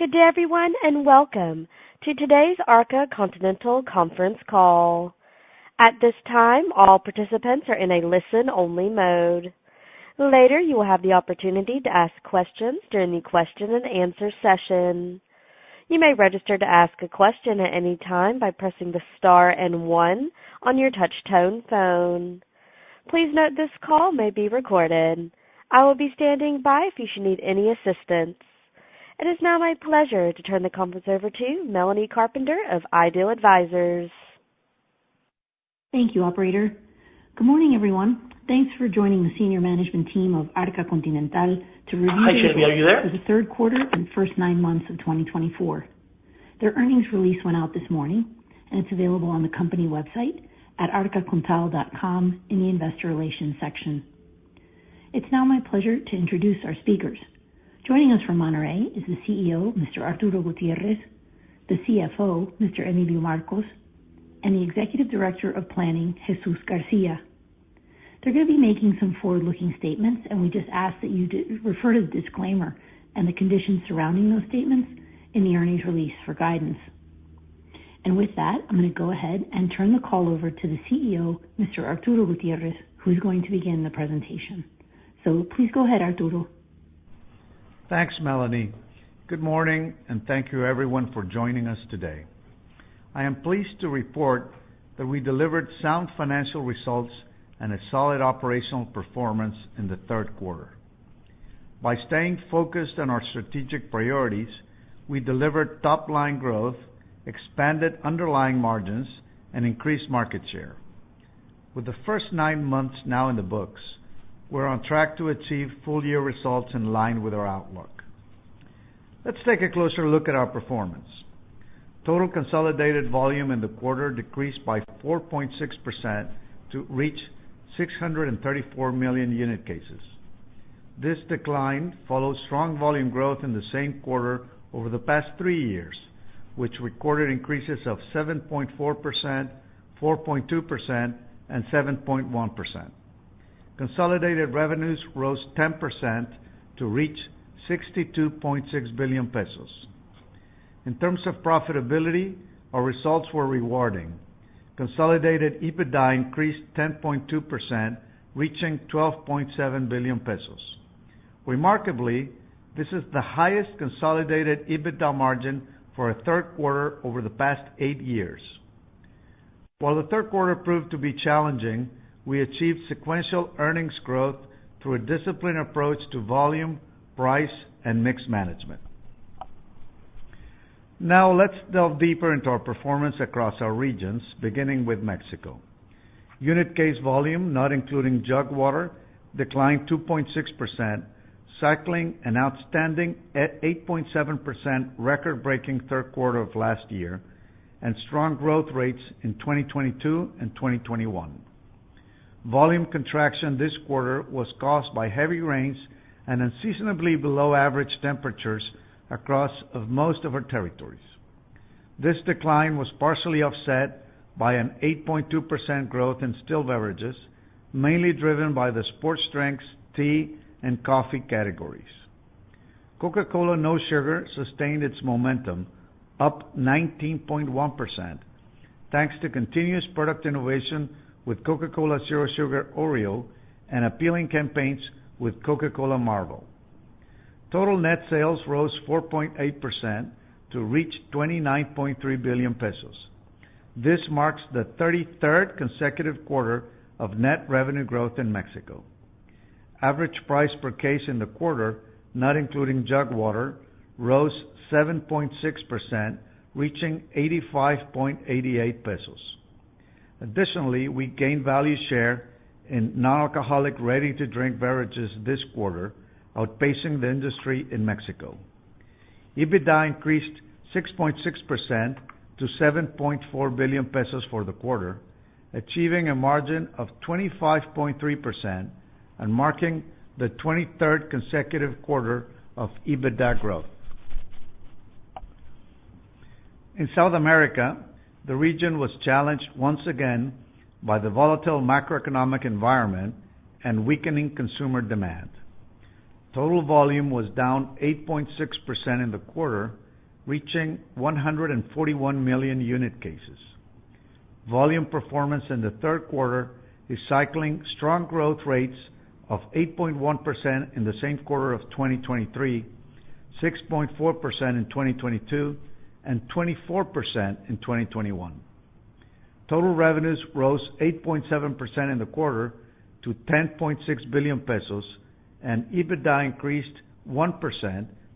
Good day, everyone, and welcome to today's Arca Continental conference call. At this time, all participants are in a listen-only mode. Later, you will have the opportunity to ask questions during the question and answer session. You may register to ask a question at any time by pressing the Star and one on your touch-tone phone. Please note this call may be recorded. I will be standing by if you should need any assistance. It is now my pleasure to turn the conference over to Melanie Carpenter of Ideal Advisors. Thank you, operator. Good morning, everyone. Thanks for joining the senior management team of Arca Continental to review- Hi, Melanie. Are you there?... For the third quarter and first nine months of twenty twenty-four. Their earnings release went out this morning, and it's available on the company website at arcacontinental.com in the Investor Relations section. It's now my pleasure to introduce our speakers. Joining us from Monterrey is the CEO, Mr. Arturo Gutiérrez, the CFO, Mr. Emilio Marcos, and the Executive Director of Planning, Jesús García. They're gonna be making some forward-looking statements, and we just ask that you do refer to the disclaimer and the conditions surrounding those statements in the earnings release for guidance, and with that, I'm gonna go ahead and turn the call over to the CEO, Mr. Arturo Gutiérrez, who is going to begin the presentation, so please go ahead, Arturo. Thanks, Melanie. Good morning, and thank you, everyone, for joining us today. I am pleased to report that we delivered sound financial results and a solid operational performance in the third quarter. By staying focused on our strategic priorities, we delivered top-line growth, expanded underlying margins, and increased market share. With the first nine months now in the books, we're on track to achieve full-year results in line with our outlook. Let's take a closer look at our performance. Total consolidated volume in the quarter decreased by 4.6% to reach 634 million unit cases. This decline follows strong volume growth in the same quarter over the past three years, which recorded increases of 7.4%, 4.2%, and 7.1%. Consolidated revenues rose 10% to reach 62.6 billion pesos. In terms of profitability, our results were rewarding. Consolidated EBITDA increased 10.2%, reaching 12.7 billion pesos. Remarkably, this is the highest consolidated EBITDA margin for a third quarter over the past eight years. While the third quarter proved to be challenging, we achieved sequential earnings growth through a disciplined approach to volume, price, and mix management. Now, let's delve deeper into our performance across our regions, beginning with Mexico. Unit case volume, not including jug water, declined 2.6%, cycling an outstanding 8.7% record-breaking third quarter of last year, and strong growth rates in 2022 and 2021. Volume contraction this quarter was caused by heavy rains and unseasonably below average temperatures across most of our territories. This decline was partially offset by an 8.2% growth in still beverages, mainly driven by the sports drinks, tea, and coffee categories. Coca-Cola No Sugar sustained its momentum, up 19.1%, thanks to continuous product innovation with Coca-Cola Zero Sugar Oreo and appealing campaigns with Coca-Cola Marvel. Total net sales rose 4.8% to reach 29.3 billion pesos. This marks the thirty-third consecutive quarter of net revenue growth in Mexico. Average price per case in the quarter, not including jug water, rose 7.6%, reaching 85.88 pesos. Additionally, we gained value share in non-alcoholic, ready-to-drink beverages this quarter, outpacing the industry in Mexico. EBITDA increased 6.6% to 7.4 billion pesos for the quarter, achieving a margin of 25.3% and marking the twenty-third consecutive quarter of EBITDA growth. In South America, the region was challenged once again by the volatile macroeconomic environment and weakening consumer demand. Total volume was down 8.6% in the quarter, reaching 141 million unit cases. Volume performance in the third quarter is cycling strong growth rates of 8.1% in the same quarter of 2023, 6.4% in 2022, and 24% in 2021. Total revenues rose 8.7% in the quarter to 10.6 billion pesos, and EBITDA increased 1%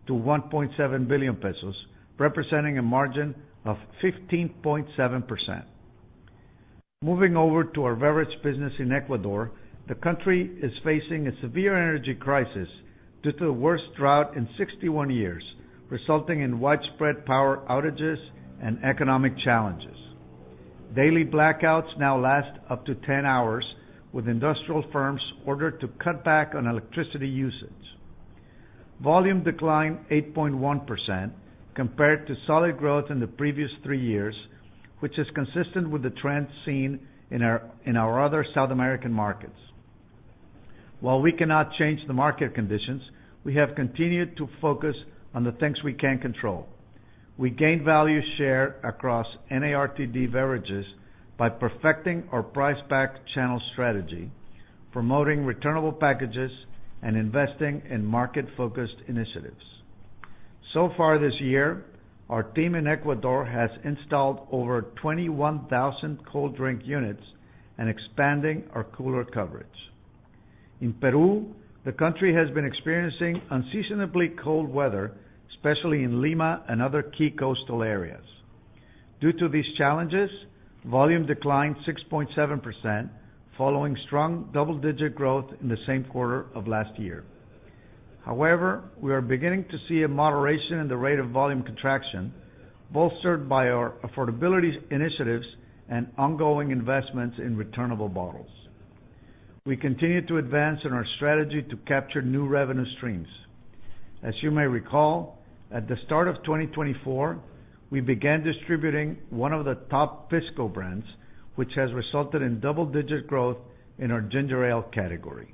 to 1.7 billion pesos, representing a margin of 15.7%. Moving over to our beverage business in Ecuador, the country is facing a severe energy crisis due to the worst drought in 61 years, resulting in widespread power outages and economic challenges. Daily blackouts now last up to 10 hours, with industrial firms ordered to cut back on electricity usage. Volume declined 8.1% compared to solid growth in the previous three years, which is consistent with the trend seen in our other South American markets. While we cannot change the market conditions, we have continued to focus on the things we can control. We gained value share across NARTD beverages by perfecting our price-pack-channel strategy, promoting returnable packages, and investing in market-focused initiatives. So far this year, our team in Ecuador has installed over 21,000 cold drink units and expanding our cooler coverage. In Peru, the country has been experiencing unseasonably cold weather, especially in Lima and other key coastal areas. Due to these challenges, volume declined 6.7%, following strong double-digit growth in the same quarter of last year. However, we are beginning to see a moderation in the rate of volume contraction, bolstered by our affordability initiatives and ongoing investments in returnable bottles. We continue to advance in our strategy to capture new revenue streams. As you may recall, at the start of twenty twenty-four, we began distributing one of the top pisco brands, which has resulted in double-digit growth in our ginger ale category.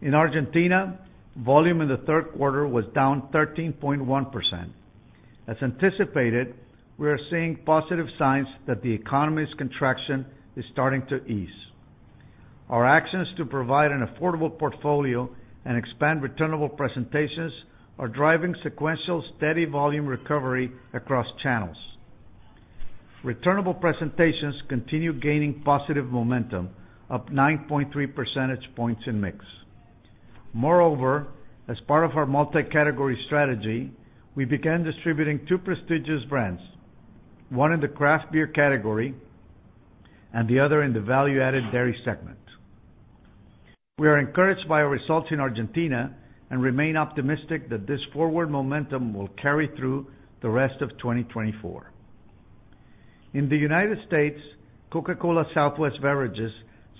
In Argentina, volume in the third quarter was down 13.1%. As anticipated, we are seeing positive signs that the economy's contraction is starting to ease. Our actions to provide an affordable portfolio and expand returnable presentations are driving sequential, steady volume recovery across channels. Returnable presentations continue gaining positive momentum, up 9.3 percentage points in mix. Moreover, as part of our multi-category strategy, we began distributing two prestigious brands, one in the craft beer category and the other in the value-added dairy segment. We are encouraged by our results in Argentina, and remain optimistic that this forward momentum will carry through the rest of 2024. In the United States, Coca-Cola Southwest Beverages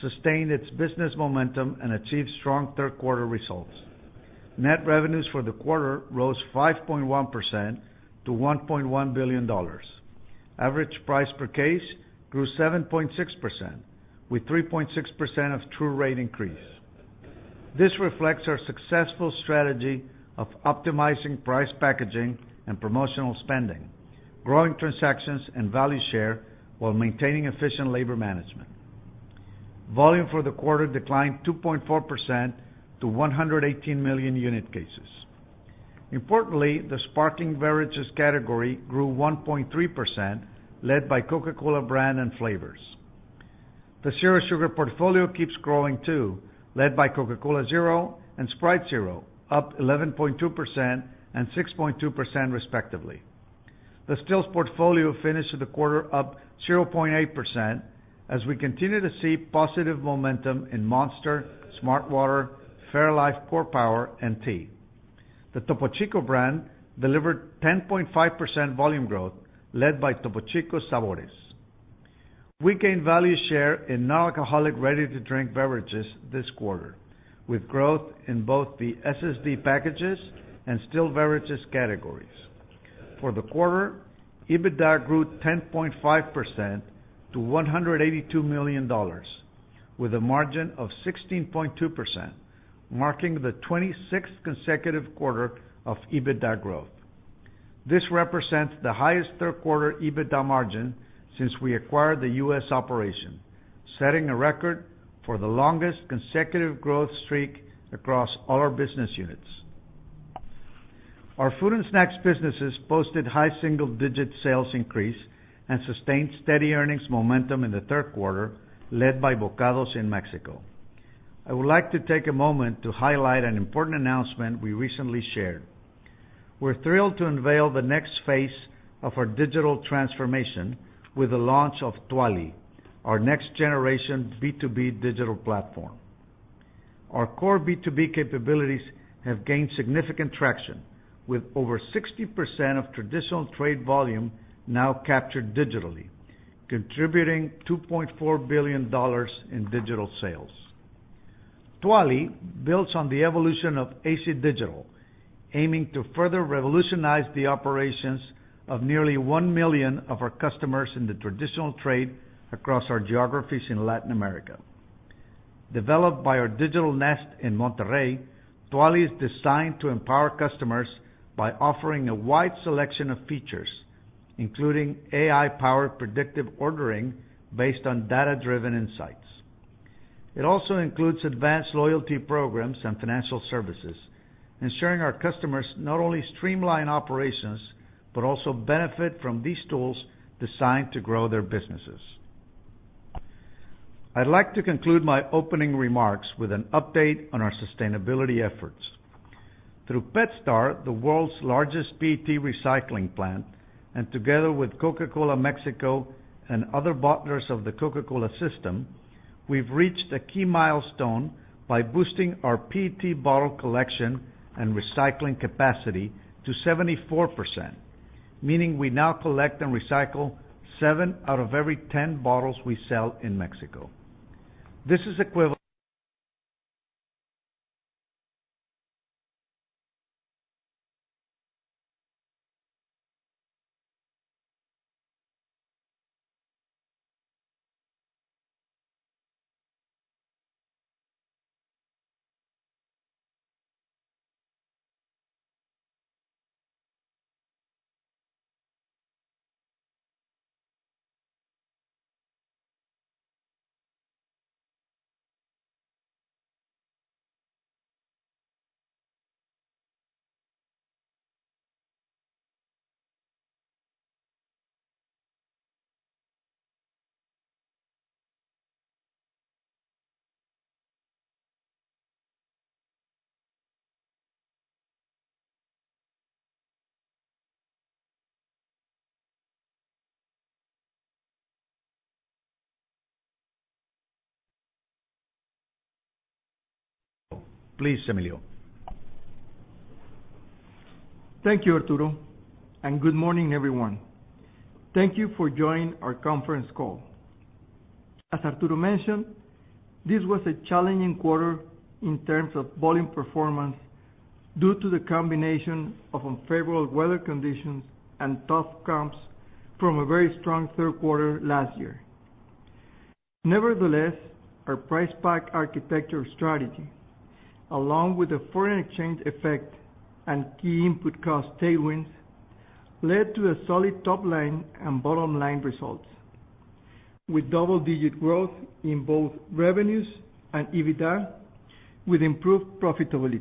sustained its business momentum and achieved strong third quarter results. Net revenues for the quarter rose 5.1% to $1.1 billion. Average price per case grew 7.6%, with 3.6% of true rate increase. This reflects our successful strategy of optimizing price, packaging, and promotional spending, growing transactions and value share while maintaining efficient labor management. Volume for the quarter declined 2.4% to 118 million unit cases. Importantly, the sparkling beverages category grew 1.3%, led by Coca-Cola brand and flavors. The zero sugar portfolio keeps growing, too, led by Coca-Cola Zero and Sprite Zero, up 11.2% and 6.2%, respectively. The Stills portfolio finished the quarter up 0.8%, as we continue to see positive momentum in Monster, smartwater, fairlife Core Power, and tea. The Topo Chico brand delivered 10.5% volume growth, led by Topo Chico Sabores. We gained value share in non-alcoholic, ready-to-drink beverages this quarter, with growth in both the SSD packages and still beverages categories. For the quarter, EBITDA grew 10.5% to $182 million, with a margin of 16.2%, marking the 26th consecutive quarter of EBITDA growth. This represents the highest third quarter EBITDA margin since we acquired the US operation, setting a record for the longest consecutive growth streak across all our business units. Our food and snacks businesses posted high single-digit sales increase and sustained steady earnings momentum in the third quarter, led by Bocados in Mexico. I would like to take a moment to highlight an important announcement we recently shared. We're thrilled to unveil the next phase of our digital transformation with the launch of tuali, our next generation B2B digital platform. Our core B2B capabilities have gained significant traction, with over 60% of traditional trade volume now captured digitally, contributing $2.4 billion in digital sales. Tuali builds on the evolution of AC Digital, aiming to further revolutionize the operations of nearly one million of our customers in the traditional trade across our geographies in Latin America. Developed by our Digital Nest in Monterrey, tuali is designed to empower customers by offering a wide selection of features, including AI-powered predictive ordering based on data-driven insights. It also includes advanced loyalty programs and financial services, ensuring our customers not only streamline operations, but also benefit from these tools designed to grow their businesses. I'd like to conclude my opening remarks with an update on our sustainability efforts. Through PetStar, the world's largest PET recycling plant, and together with Coca-Cola Mexico and other bottlers of the Coca-Cola system, we've reached a key milestone by boosting our PET bottle collection and recycling capacity to 74%, meaning we now collect and recycle seven out of every ten bottles we sell in Mexico. This is equivalent-... Please, Emilio. Thank you, Arturo, and good morning, everyone. Thank you for joining our conference call. As Arturo mentioned, this was a challenging quarter in terms of volume performance due to the combination of unfavorable weather conditions and tough comps from a very strong third quarter last year. Nevertheless, our price pack architecture strategy, along with the foreign exchange effect and key input cost tailwinds, led to a solid top line and bottom line results, with double-digit growth in both revenues and EBITDA, with improved profitability.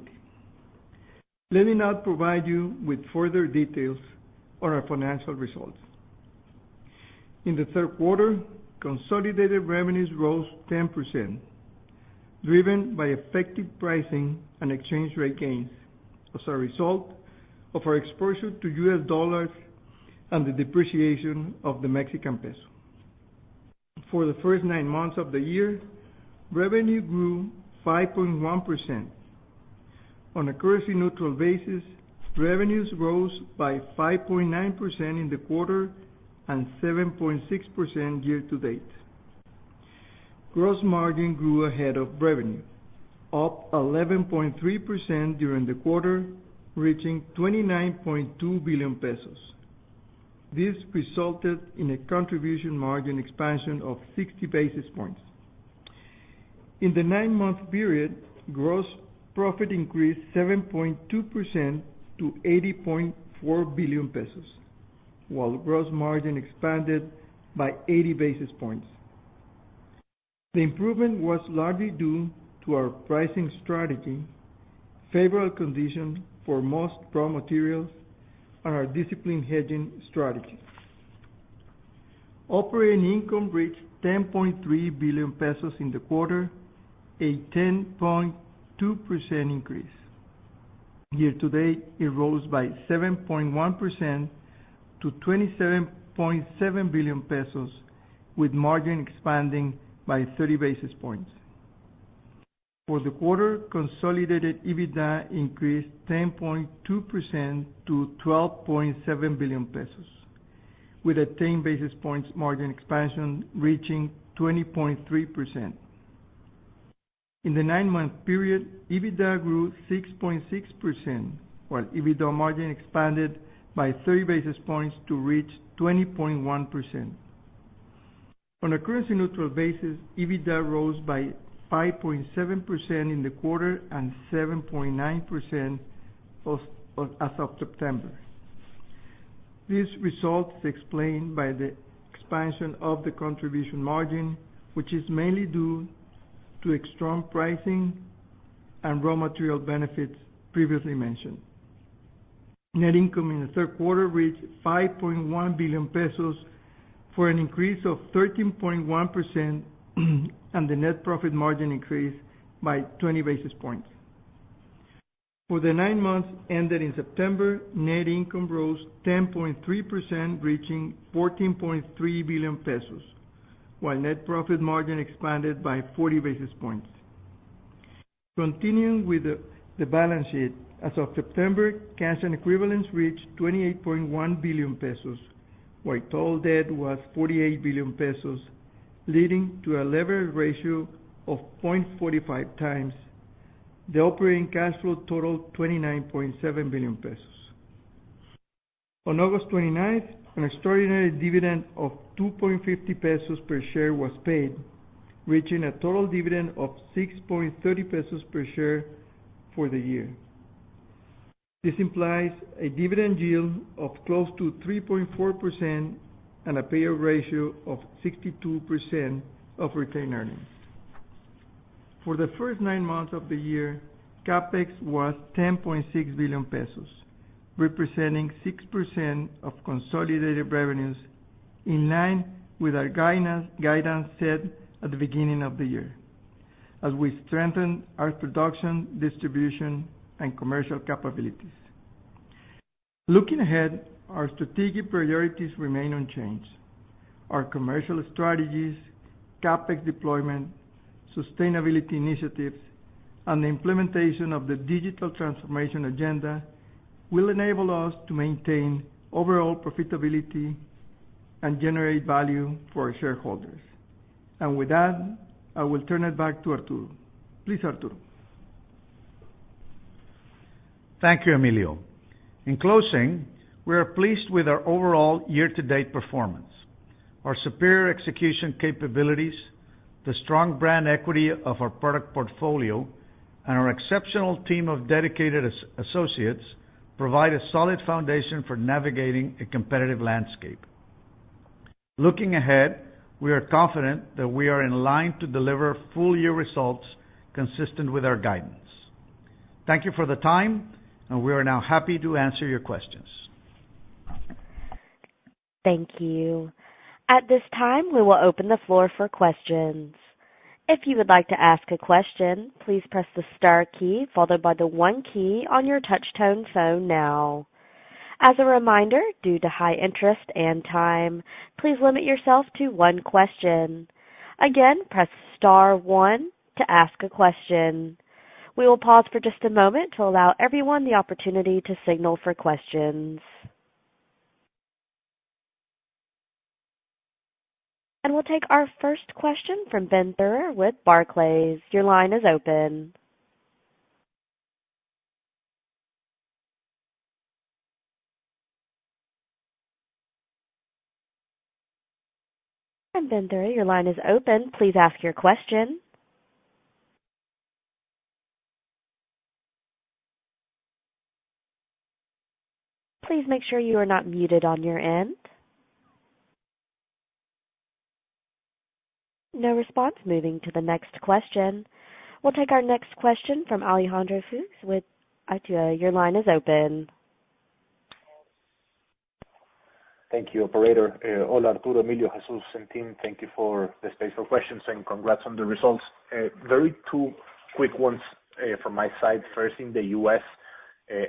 Let me now provide you with further details on our financial results. In the third quarter, consolidated revenues rose 10%, driven by effective pricing and exchange rate gains as a result of our exposure to U.S. dollars and the depreciation of the Mexican peso. For the first nine months of the year, revenue grew 5.1%. On a currency neutral basis, revenues rose by 5.9% in the quarter and 7.6% year to date. Gross margin grew ahead of revenue, up 11.3% during the quarter, reaching 29.2 billion pesos. This resulted in a contribution margin expansion of 60 basis points. In the nine-month period, gross profit increased 7.2% to 80.4 billion pesos, while gross margin expanded by 80 basis points. The improvement was largely due to our pricing strategy, favorable conditions for most raw materials, and our disciplined hedging strategy. Operating income reached 10.3 billion pesos in the quarter, a 10.2% increase. Year to date, it rose by 7.1% to 27.7 billion pesos, with margin expanding by 30 basis points. For the quarter, consolidated EBITDA increased 10.2% to 12.7 billion pesos, with a 10 basis points margin expansion reaching 20.3%. In the nine-month period, EBITDA grew 6.6%, while EBITDA margin expanded by 30 basis points to reach 20.1%. On a currency neutral basis, EBITDA rose by 5.7% in the quarter and 7.9% of, as of September. These results explained by the expansion of the contribution margin, which is mainly due to a strong pricing and raw material benefits previously mentioned. Net income in the third quarter reached 5.1 billion pesos, for an increase of 13.1%, and the net profit margin increased by 20 basis points. For the nine months ended in September, net income rose 10.3%, reaching 14.3 billion pesos, while net profit margin expanded by 40 basis points. Continuing with the balance sheet, as of September, cash and equivalents reached 28.1 billion pesos, while total debt was 48 billion pesos, leading to a levered ratio of 0.45 times. The operating cash flow totaled 29.7 billion pesos. On August twenty-ninth, an extraordinary dividend of 2.50 pesos per share was paid, reaching a total dividend of 6.30 pesos per share for the year. This implies a dividend yield of close to 3.4% and a payout ratio of 62% of retained earnings. For the first nine months of the year, CapEx was 10.6 billion pesos, representing 6% of consolidated revenues, in line with our guidance, guidance set at the beginning of the year, as we strengthen our production, distribution, and commercial capabilities. Looking ahead, our strategic priorities remain unchanged. Our commercial strategies, CapEx deployment, sustainability initiatives, and the implementation of the digital transformation agenda will enable us to maintain overall profitability and generate value for our shareholders. And with that, I will turn it back to Arturo. Please, Arturo. ... Thank you, Emilio. In closing, we are pleased with our overall year-to-date performance. Our superior execution capabilities, the strong brand equity of our product portfolio, and our exceptional team of dedicated associates, provide a solid foundation for navigating a competitive landscape. Looking ahead, we are confident that we are in line to deliver full year results consistent with our guidance. Thank you for the time, and we are now happy to answer your questions. Thank you. At this time, we will open the floor for questions. If you would like to ask a question, please press the star key followed by the one key on your touchtone phone now. As a reminder, due to high interest and time, please limit yourself to one question. Again, press star one to ask a question. We will pause for just a moment to allow everyone the opportunity to signal for questions. And we'll take our first question from Ben Theurer with Barclays. Your line is open. Ben Theurer, your line is open. Please ask your question. Please make sure you are not muted on your end. No response. Moving to the next question. We'll take our next question from Alejandro Fuchs with Itaú BBA. Your line is open. Thank you, operator. Hola, Arturo, Emilio, Jesús, and team, thank you for the space for questions, and congrats on the results. Very two quick ones from my side. First, in the U.S.,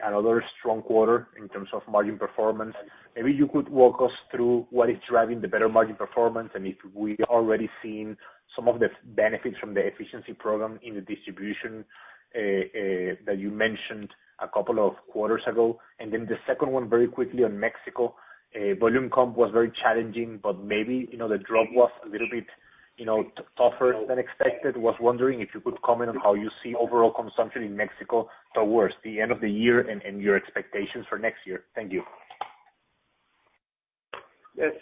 another strong quarter in terms of margin performance. Maybe you could walk us through what is driving the better margin performance, and if we've already seen some of the benefits from the efficiency program in the distribution that you mentioned a couple of quarters ago? And then the second one, very quickly on Mexico. Volume comp was very challenging, but maybe, you know, the drop was a little bit, you know, tougher than expected. Was wondering if you could comment on how you see overall consumption in Mexico towards the end of the year and your expectations for next year? Thank you. Yes,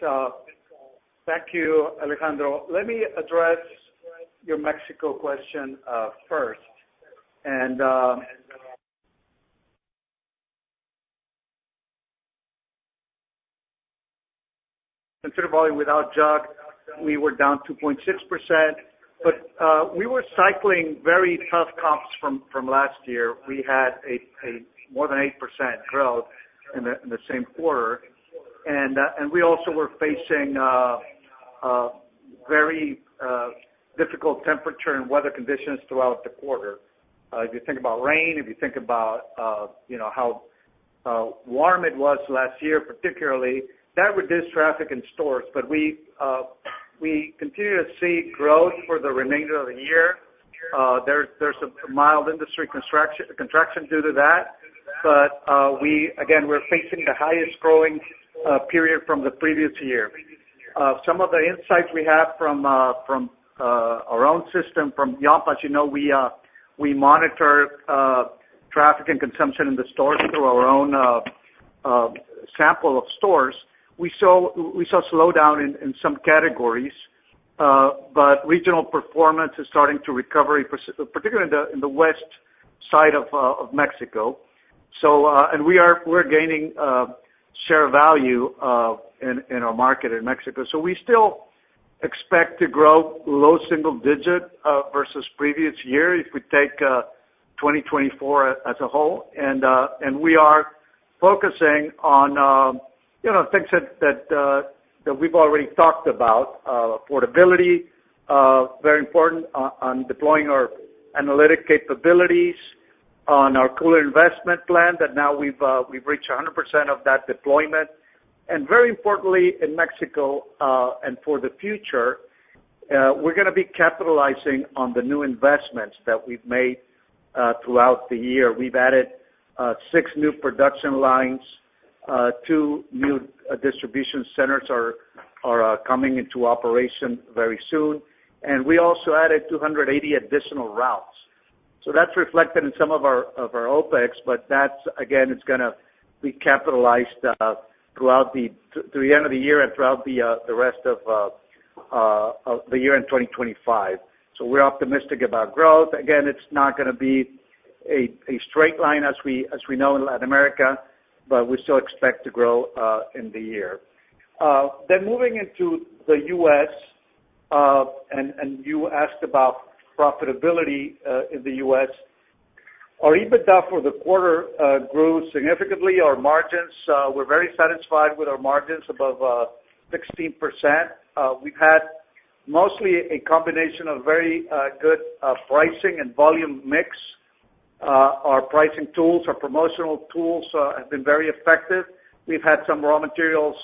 thank you, Alejandro. Let me address your Mexico question first. Consider volume without jug, we were down 2.6%, but we were cycling very tough comps from last year. We had a more than 8% growth in the same quarter. We also were facing very difficult temperature and weather conditions throughout the quarter. If you think about rain, if you think about you know how warm it was last year, particularly, that reduced traffic in stores. But we continue to see growth for the remainder of the year. There's some mild industry contraction due to that, but we again, we're facing the highest growing period from the previous year. Some of the insights we have from our own system, from Yomp, as you know, we monitor traffic and consumption in the stores through our own sample of stores. We saw slowdown in some categories, but regional performance is starting to recover, particularly in the west side of Mexico. So, and we are gaining share value in our market in Mexico. So we still expect to grow low single digit versus previous year if we take 2024 as a whole. And we are focusing on, you know, things that we've already talked about. Affordability, very important on deploying our analytic capabilities on our cooler investment plan, that now we've reached 100% of that deployment. Very importantly, in Mexico and for the future, we're gonna be capitalizing on the new investments that we've made throughout the year. We've added six new production lines, two new distribution centers are coming into operation very soon. We also added 280 additional routes. That's reflected in some of our OpEx, but that's, again, it's gonna be capitalized throughout the end of the year and throughout the rest of the year in 2025. We're optimistic about growth. Again, it's not gonna be a straight line, as we know in Latin America, but we still expect to grow in the year. Then moving into the U.S., and you asked about profitability in the U.S. Our EBITDA for the quarter grew significantly. Our margins, we're very satisfied with our margins above 16%. We've had mostly a combination of very good pricing and volume mix. Our pricing tools, our promotional tools have been very effective. We've had some raw materials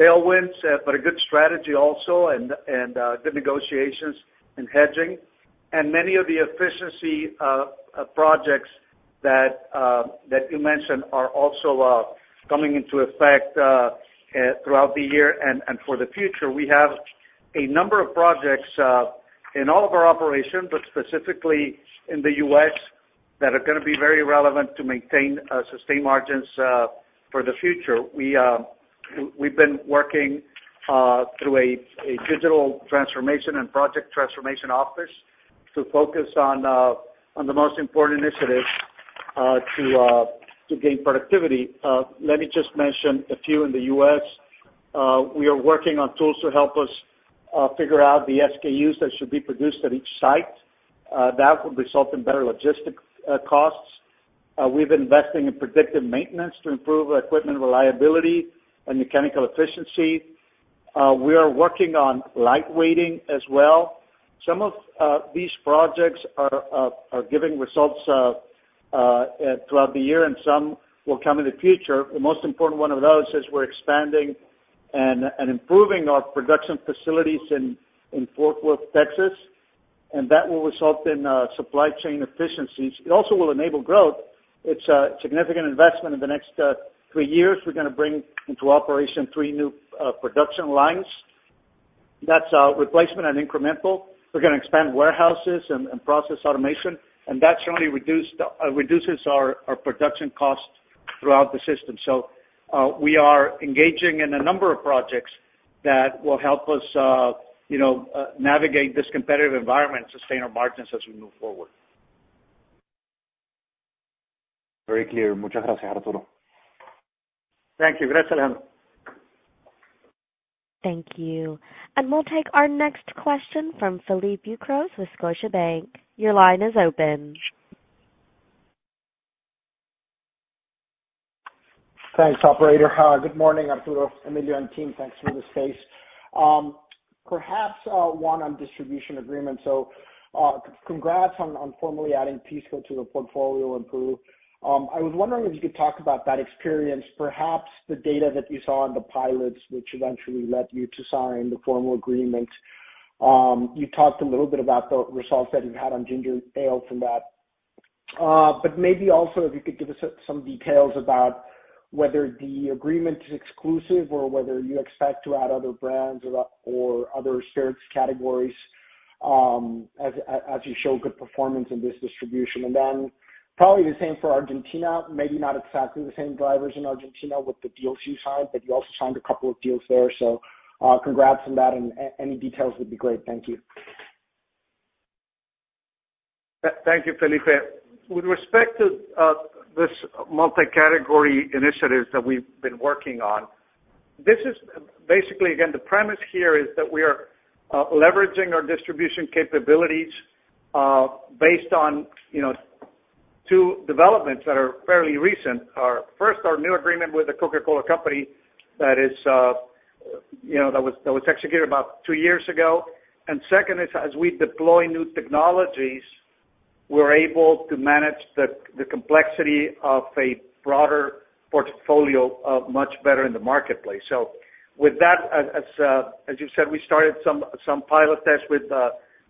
tailwinds, but a good strategy also, and good negotiations in hedging. And many of the efficiency projects that you mentioned are also coming into effect throughout the year and for the future. We have-... A number of projects in all of our operations, but specifically in the U.S., that are going to be very relevant to maintain sustained margins for the future. We've been working through a digital transformation and project transformation office to focus on the most important initiatives to gain productivity. Let me just mention a few in the U.S. We are working on tools to help us figure out the SKUs that should be produced at each site. That will result in better logistic costs. We've been investing in predictive maintenance to improve equipment reliability and mechanical efficiency. We are working on light weighting as well. Some of these projects are giving results throughout the year, and some will come in the future. The most important one of those is we're expanding and improving our production facilities in Fort Worth, Texas, and that will result in supply chain efficiencies. It also will enable growth. It's a significant investment in the next three years. We're gonna bring into operation three new production lines. That's replacement and incremental. We're gonna expand warehouses and process automation, and that certainly reduces our production costs throughout the system. So we are engaging in a number of projects that will help us you know navigate this competitive environment, sustain our margins as we move forward. Very clear. Muchas gracias, Arturo. Thank you. Gracias. Thank you. And we'll take our next question from Felipe Ucros with Scotiabank. Your line is open. Thanks, operator. Good morning, Arturo, Emilio, and team. Thanks for the space. Perhaps one on distribution agreement. So, congrats on formally adding PepsiCo to the portfolio in Peru. I was wondering if you could talk about that experience, perhaps the data that you saw in the pilots, which eventually led you to sign the formal agreement. You talked a little bit about the results that you've had on ginger ale from that. But maybe also, if you could give us some details about whether the agreement is exclusive, or whether you expect to add other brands or other spirits categories, as you show good performance in this distribution. And then probably the same for Argentina, maybe not exactly the same drivers in Argentina with the deals you signed, but you also signed a couple of deals there. Congrats on that, and any details would be great. Thank you. Thank you, Philipp. With respect to this multi-category initiatives that we've been working on, this is basically, again, the premise here is that we are leveraging our distribution capabilities based on, you know, two developments that are fairly recent. Our first, our new agreement with the Coca-Cola Company that is, you know, that was executed about two years ago. And second is, as we deploy new technologies, we're able to manage the complexity of a broader portfolio much better in the marketplace. So with that, as you said, we started some pilot tests with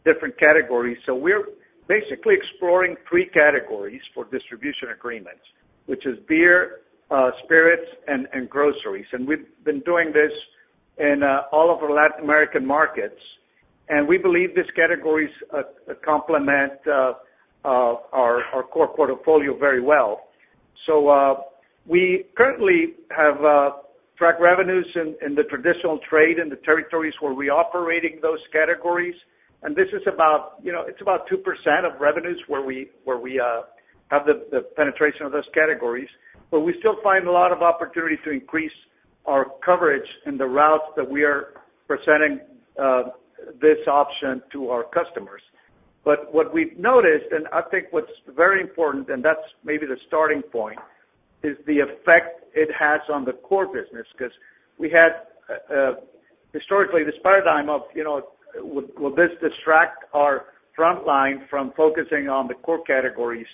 different categories. So we're basically exploring three categories for distribution agreements, which is beer, spirits, and groceries. We've been doing this in all of our Latin American markets, and we believe these categories complement our core portfolio very well. We currently have track revenues in the traditional trade, in the territories where we operating those categories, and this is about, you know, it's about 2% of revenues where we have the penetration of those categories. We still find a lot of opportunity to increase our coverage in the routes that we are presenting this option to our customers. What we've noticed, and I think what's very important, and that's maybe the starting point, is the effect it has on the core business. Because we had historically this paradigm of, you know, will this distract our front line from focusing on the core categories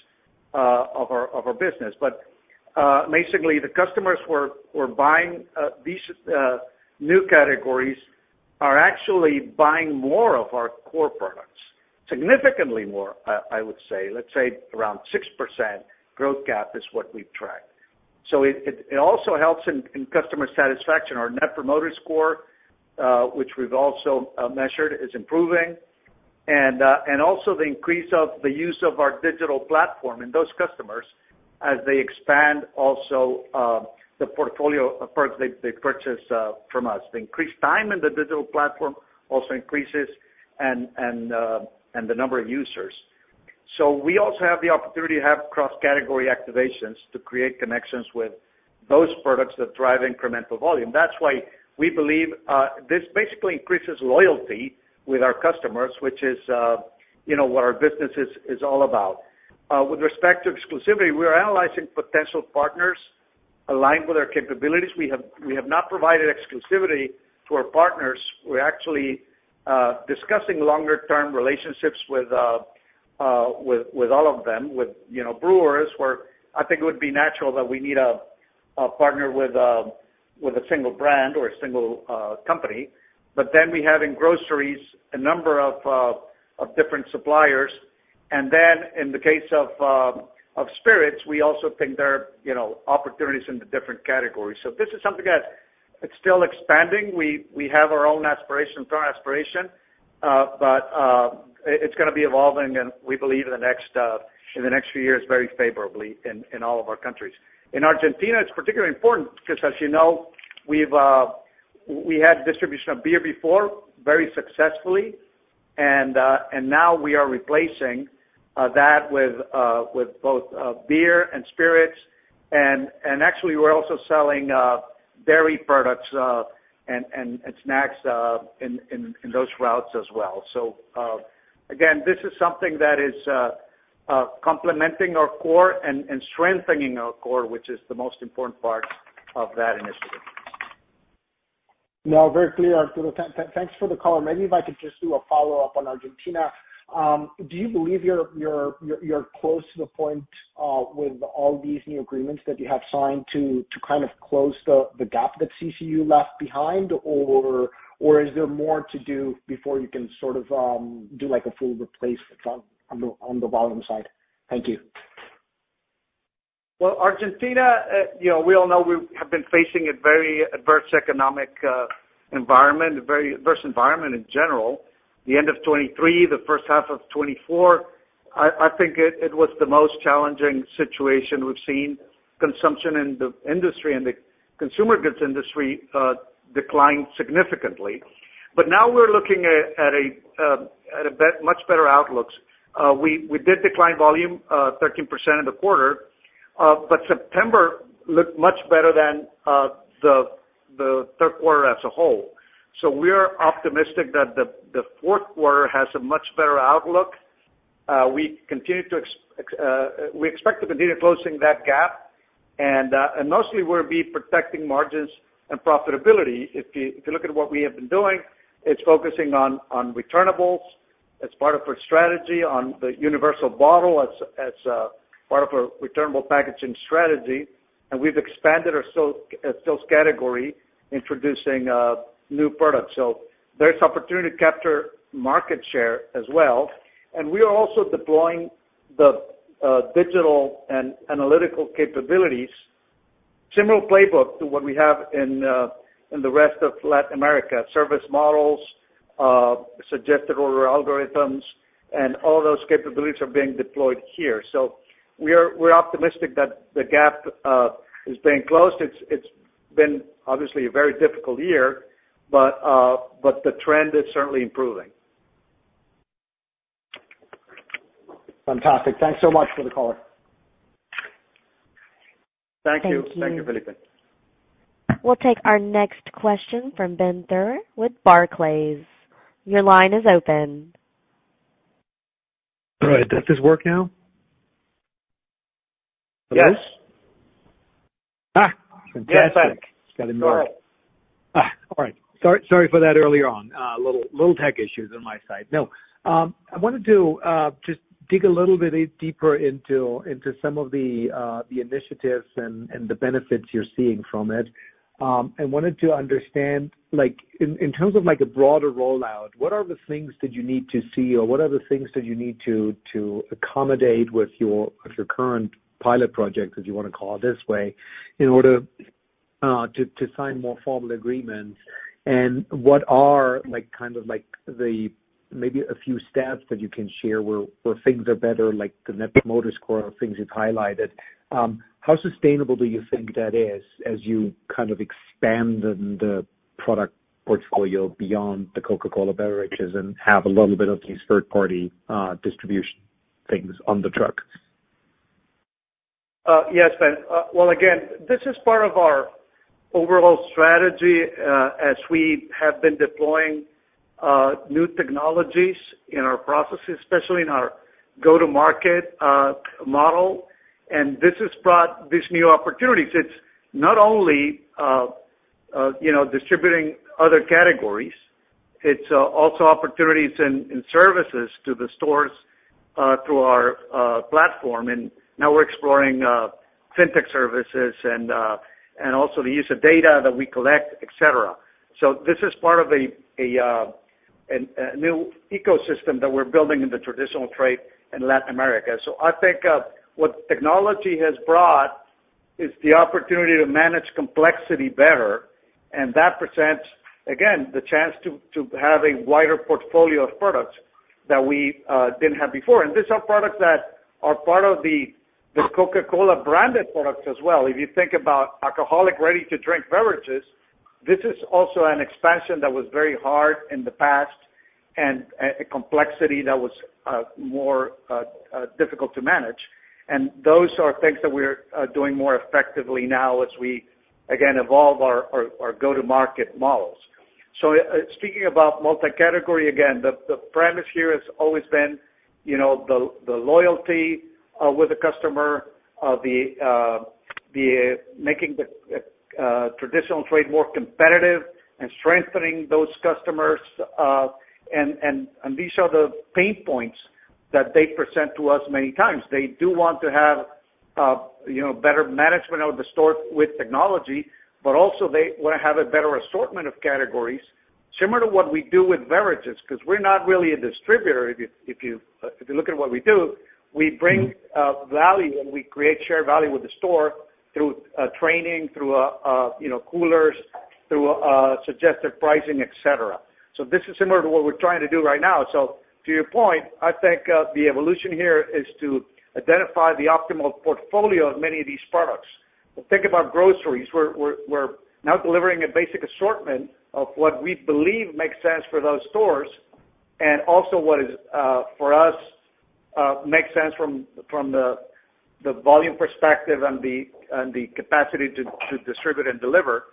of our business? But basically the customers who are buying these new categories are actually buying more of our core products, significantly more, I would say. Let's say around 6% growth gap is what we've tracked. So it also helps in customer satisfaction. Our Net Promoter Score, which we've also measured, is improving. And also the increase of the use of our digital platform in those customers as they expand also the portfolio of products they purchase from us. The increased time in the digital platform also increases and the number of users. So we also have the opportunity to have cross-category activations to create connections with those products that drive incremental volume. That's why we believe this basically increases loyalty with our customers, which is, you know, what our business is all about. With respect to exclusivity, we are analyzing potential partners aligned with our capabilities. We have not provided exclusivity to our partners. We're actually discussing longer-term relationships with all of them, you know, with brewers, where I think it would be natural that we need a partner with a single brand or a single company. But then we have in groceries a number of different suppliers. And then in the case of spirits, we also think there are, you know, opportunities in the different categories. So this is something that it's still expanding. We have our own aspiration, strong aspiration, but it, it's gonna be evolving, and we believe in the next few years, very favorably in all of our countries. In Argentina, it's particularly important because, as you know, we've had distribution of beer before, very successfully, and now we are replacing that with both beer and spirits, and actually we're also selling dairy products and snacks in those routes as well. So again, this is something that is complementing our core and strengthening our core, which is the most important part of that initiative. No, very clear, Arturo. Thanks for the color. Maybe if I could just do a follow-up on Argentina. Do you believe you're close to the point with all these new agreements that you have signed, to kind of close the gap that CCU left behind? Or is there more to do before you can sort of do like a full replacement on the volume side? Thank you. Argentina, you know, we all know we have been facing a very adverse economic environment, a very adverse environment in general. The end of 2023, the first half of 2024, I think it was the most challenging situation we've seen. Consumption in the industry and the consumer goods industry declined significantly, but now we're looking at much better outlooks. We did decline volume 13% in the quarter, but September looked much better than the third quarter as a whole, so we are optimistic that the fourth quarter has a much better outlook. We expect to continue closing that gap, and mostly we'll be protecting margins and profitability. If you look at what we have been doing, it's focusing on returnables as part of our strategy, on the universal bottle as part of our returnable packaging strategy, and we've expanded our stills category, introducing new products. So there's opportunity to capture market share as well. And we are also deploying the digital and analytical capabilities, similar playbook to what we have in the rest of Latin America. Service models, suggested order algorithms, and all those capabilities are being deployed here. So we're optimistic that the gap is being closed. It's been obviously a very difficult year, but the trend is certainly improving. Fantastic. Thanks so much for the color. Thank you. Thank you. Thank you, Felipe. We'll take our next question from Ben Theurer with Barclays. Your line is open. All right. Does this work now? Yes. Ah, fantastic! Yes, Ben. It's got to work. All right. Sorry for that earlier on. Little tech issues on my side. I wanted to just dig a little bit a deeper into some of the initiatives and the benefits you're seeing from it. I wanted to understand, like, in terms of, like, a broader rollout, what are the things that you need to see, or what are the things that you need to accommodate with your current pilot projects, if you want to call it this way, in order to sign more formal agreements? And what are, like, kind of like the, maybe a few steps that you can share where things are better, like the Net Promoter Score or things you've highlighted. How sustainable do you think that is as you kind of expand in the product portfolio beyond the Coca-Cola beverages and have a little bit of these third-party distribution things on the truck? Yes, Ben. Well, again, this is part of our overall strategy, as we have been deploying new technologies in our processes, especially in our go-to-market model. And this has brought these new opportunities. It's not only, you know, distributing other categories, it's also opportunities in services to the stores through our platform. And now we're exploring fintech services and also the use of data that we collect, et cetera. So this is part of a new ecosystem that we're building in the traditional trade in Latin America. So I think what technology has brought is the opportunity to manage complexity better, and that presents, again, the chance to have a wider portfolio of products that we didn't have before. These are products that are part of the Coca-Cola branded products as well. If you think about alcoholic, ready-to-drink beverages, this is also an expansion that was very hard in the past and a complexity that was more difficult to manage, and those are things that we're doing more effectively now as we again evolve our go-to-market models. So speaking about multi-category, again, the premise here has always been, you know, the loyalty with the customer, making the traditional trade more competitive and strengthening those customers, and these are the pain points that they present to us many times. They do want to have, you know, better management of the store with technology, but also they want to have a better assortment of categories. similar to what we do with beverages, because we're not really a distributor. If you look at what we do, we bring value and we create shared value with the store through training, through you know coolers, through suggestive pricing, et cetera. So this is similar to what we're trying to do right now. So to your point, I think the evolution here is to identify the optimal portfolio of many of these products. But think about groceries. We're now delivering a basic assortment of what we believe makes sense for those stores, and also what is for us makes sense from the volume perspective and the capacity to distribute and deliver,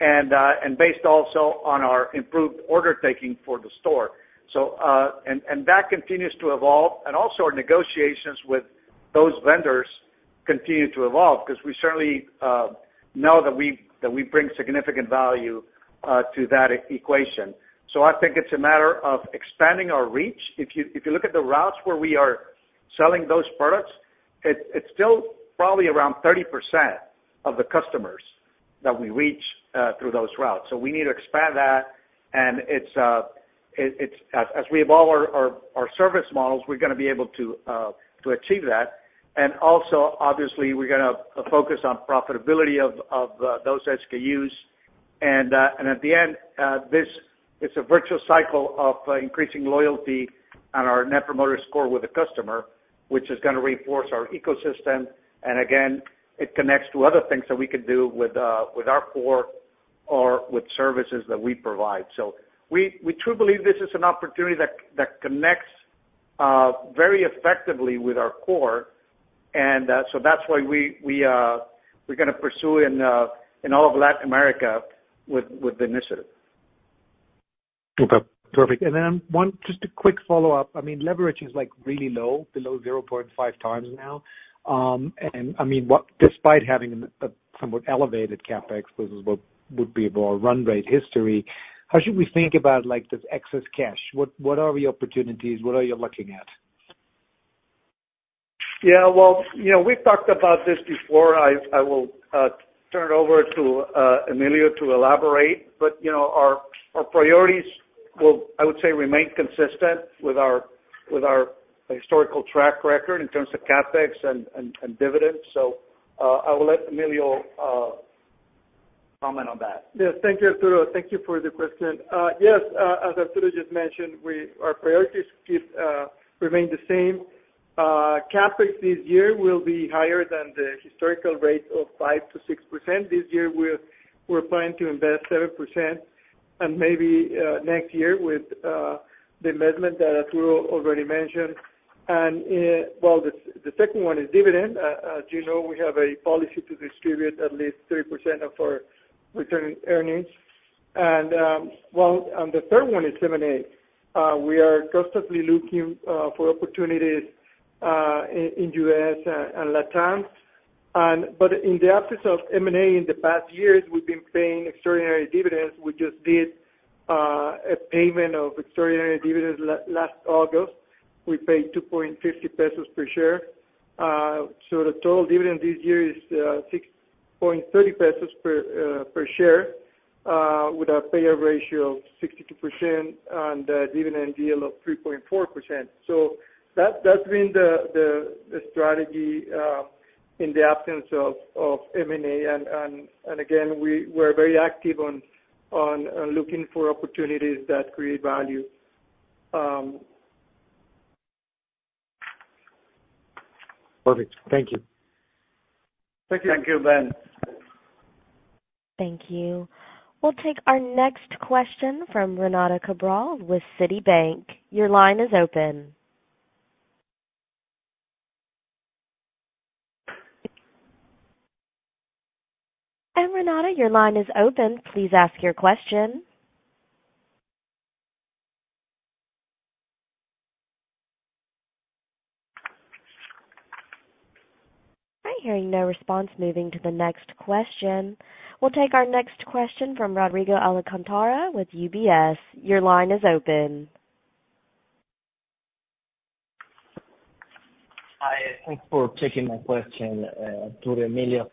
and based also on our improved order taking for the store. So, and that continues to evolve. And also our negotiations with those vendors continue to evolve, 'cause we certainly know that we bring significant value to that equation. So I think it's a matter of expanding our reach. If you look at the routes where we are selling those products, it's still probably around 30% of the customers that we reach through those routes. So we need to expand that, and it's as we evolve our service models, we're gonna be able to achieve that. And also, obviously, we're gonna focus on profitability of those SKUs. And at the end, this, it's a virtuous cycle of increasing loyalty and our Net Promoter Score with the customer, which is gonna reinforce our ecosystem, and again, it connects to other things that we can do with our core or with services that we provide. So we truly believe this is an opportunity that connects very effectively with our core, and so that's why we're gonna pursue in all of Latin America with the initiative. Okay, perfect. And then one, just a quick follow-up. I mean, leverage is, like, really low, below 0.5 times now. And I mean, what, despite having a somewhat elevated CapEx versus what would be more run rate history, how should we think about, like, this excess cash? What are the opportunities? What are you looking at? Yeah, well, you know, we've talked about this before. I will turn it over to Emilio to elaborate. But, you know, our priorities will, I would say, remain consistent with our historical track record in terms of CapEx and dividends. So, I will let Emilio comment on that. Yes, thank you, Arturo. Thank you for the question. Yes, as Arturo just mentioned, our priorities remain the same. CapEx this year will be higher than the historical rate of 5%-6%. This year, we're planning to invest 7%, and maybe next year with the investment that Arturo already mentioned. Well, the second one is dividend. As you know, we have a policy to distribute at least 3% of our return earnings. The third one is M&A. We are constantly looking for opportunities in US and LatAm. But in the absence of M&A in the past years, we've been paying extraordinary dividends. We just did a payment of extraordinary dividends last August. We paid 2.50 pesos per share. The total dividend this year is 6.30 pesos per share, with our payout ratio of 62% and a dividend yield of 3.4%. That's been the strategy in the absence of M&A. And again, we're very active on looking for opportunities that create value. Perfect. Thank you. Thank you. Thank you, Ben. Thank you. We'll take our next question from Renata Cabral with Citibank. Your line is open. And Renata, your line is open. Please ask your question. I'm hearing no response. Moving to the next question. We'll take our next question from Rodrigo Alcantara with UBS. Your line is open. Hi, thanks for taking my question, Arturo, Emilio.